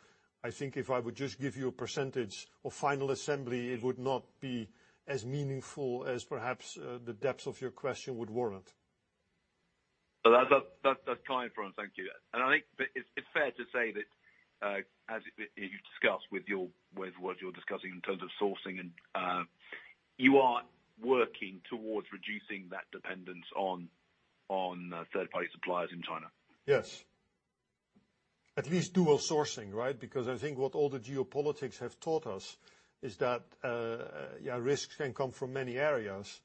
I think if I would just give you a percentage of final assembly, it would not be as meaningful as perhaps the depth of your question would warrant. That's kind, Frans. Thank you. I think it's fair to say that, as you've discussed with what you're discussing in terms of sourcing and, you are working towards reducing that dependence on third-party suppliers in China. Yes. At least dual sourcing, right? Because I think what all the geopolitics have taught us is that, yeah, risks can come from many areas.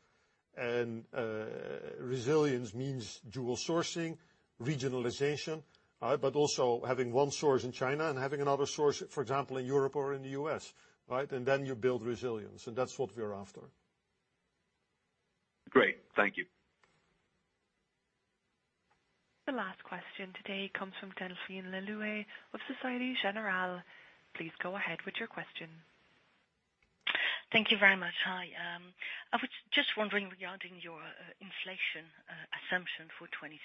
Resilience means dual sourcing, regionalization, but also having one source in China and having another source, for example, in Europe or in the US, right? You build resilience, and that's what we're after. Great. Thank you. The last question today comes from Delphine Le Louet of Société Générale. Please go ahead with your question. Thank you very much. Hi. I was just wondering regarding your inflation assumption for 2023,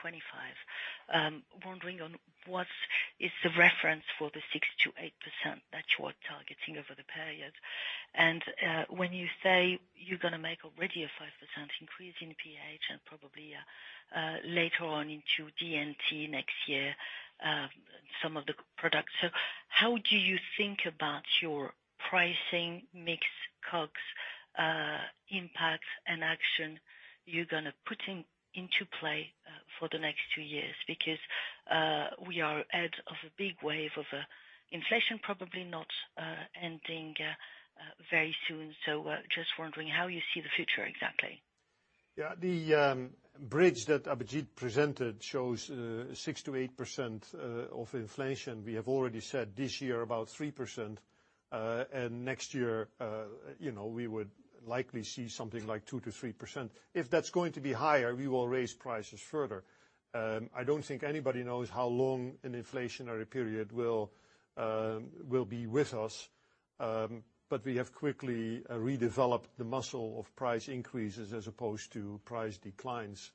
2025. Wondering on what is the reference for the 6%-8% that you are targeting over the period. When you say you're gonna make already a 5% increase in PH and probably later on into D&T next year, some of the products. How do you think about your pricing mix, costs, impacts and action you're gonna put into play for the next two years? Because we are ahead of a big wave of inflation probably not very soon. Just wondering how you see the future exactly. Yeah. The bridge that Abhijit presented shows 6%-8% of inflation. We have already said this year about 3%. Next year, you know, we would likely see something like 2%-3%. If that's going to be higher, we will raise prices further. I don't think anybody knows how long an inflationary period will be with us. We have quickly redeveloped the muscle of price increases as opposed to price declines.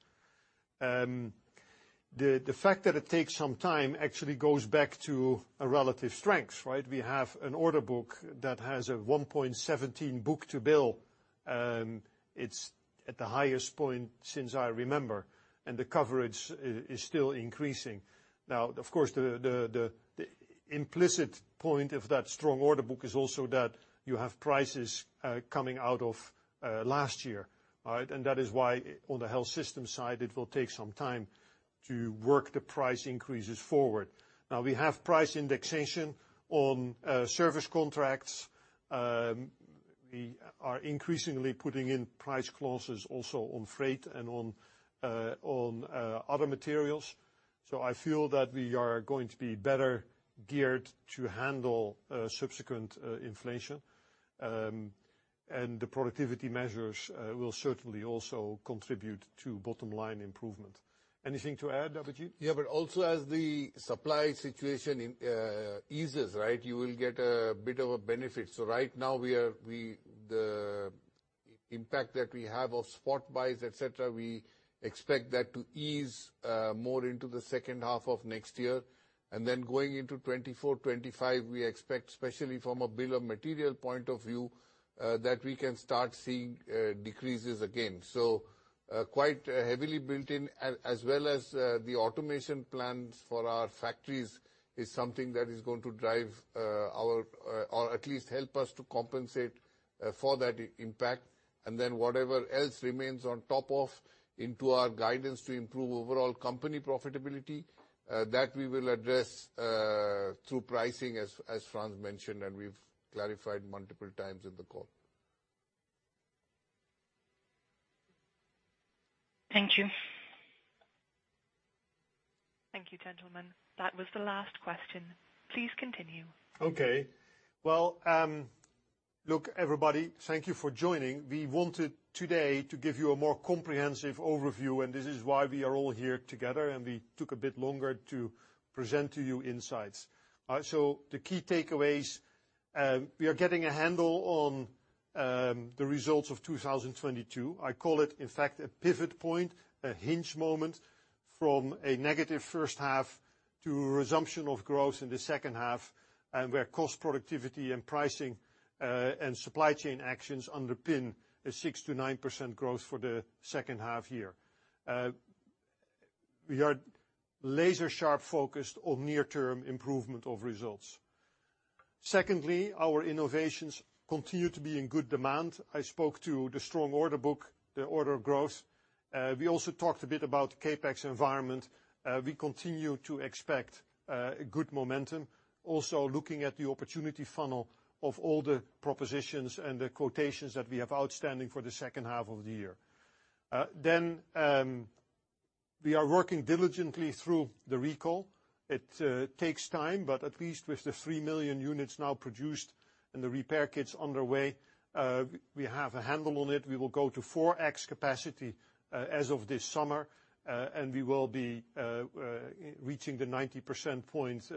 The fact that it takes some time actually goes back to a relative strength, right? We have an order book that has a 1.17 book-to-bill. It's at the highest point since I remember, and the coverage is still increasing. Now, of course, the implicit point of that strong order book is also that you have prices coming out of last year, all right? That is why on the health system side, it will take some time to work the price increases forward. Now, we have price indexation on service contracts. We are increasingly putting in price clauses also on freight and on other materials. I feel that we are going to be better geared to handle subsequent inflation. The productivity measures will certainly also contribute to bottom line improvement. Anything to add, Abhijit? Yeah. Also as the supply situation in eases, right, you will get a bit of a benefit. Right now the impact that we have of spot buys, et cetera, we expect that to ease more into the second half of next year. Then going into 2024, 2025, we expect, especially from a bill of material point of view, that we can start seeing decreases again. Quite heavily built in, as well as the automation plans for our factories is something that is going to drive our or at least help us to compensate for that impact. Then whatever else remains on top of into our guidance to improve overall company profitability, that we will address through pricing as Frans mentioned, and we've clarified multiple times in the call. Thank you. Thank you, gentlemen. That was the last question. Please continue. Okay. Well, look, everybody, thank you for joining. We wanted today to give you a more comprehensive overview, and this is why we are all here together, and we took a bit longer to present to you insights. The key takeaways, we are getting a handle on the results of 2022. I call it in fact a pivot point, a hinge moment from a negative first half to a resumption of growth in the second half, and where cost productivity and pricing and supply chain actions underpin a 6%-9% growth for the second half year. We are laser sharp focused on near term improvement of results. Secondly, our innovations continue to be in good demand. I spoke to the strong order book, the order growth. We also talked a bit about CapEx environment. We continue to expect good momentum. Also looking at the opportunity funnel of all the propositions and the quotations that we have outstanding for the second half of the year. We are working diligently through the recall. It takes time, but at least with the 3 million units now produced and the repair kits underway, we have a handle on it. We will go to 4x capacity as of this summer, and we will be reaching the 90% points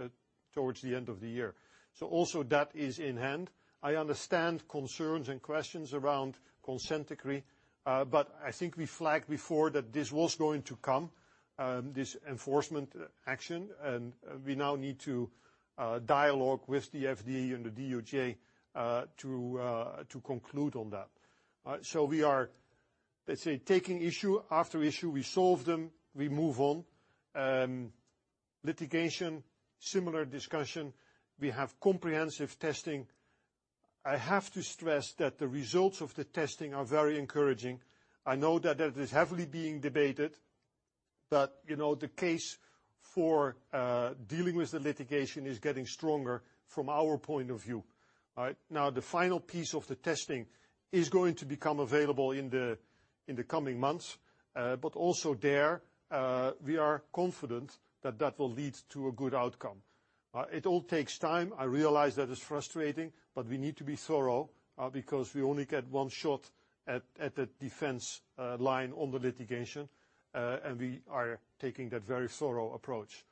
towards the end of the year. Also that is in hand. I understand concerns and questions around consent decree, but I think we flagged before that this was going to come, this enforcement action, and we now need to dialogue with the FDA and the DOJ to conclude on that. We are, let's say, taking issue after issue. We solve them, we move on. Litigation, similar discussion. We have comprehensive testing. I have to stress that the results of the testing are very encouraging. I know that is heavily being debated, but, you know, the case for dealing with the litigation is getting stronger from our point of view. All right. Now, the final piece of the testing is going to become available in the coming months. Also there, we are confident that will lead to a good outcome. It all takes time. I realize that it's frustrating, but we need to be thorough, because we only get one shot at the defense line on the litigation, and we are taking that very thorough approach.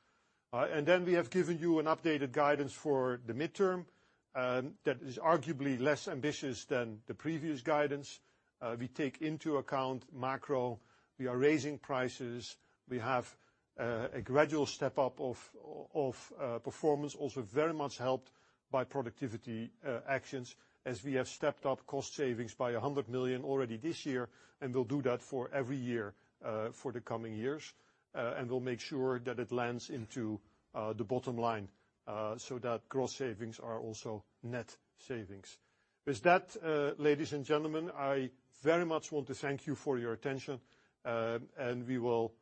We have given you an updated guidance for the midterm that is arguably less ambitious than the previous guidance. We take into account macro. We are raising prices. We have a gradual step up of performance, also very much helped by productivity actions as we have stepped up cost savings by 100 million already this year, and we'll do that for every year for the coming years. We'll make sure that it lands into the bottom line so that gross savings are also net savings. With that, ladies and gentlemen, I very much want to thank you for your attention, and we will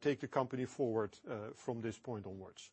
take the company forward from this point onwards.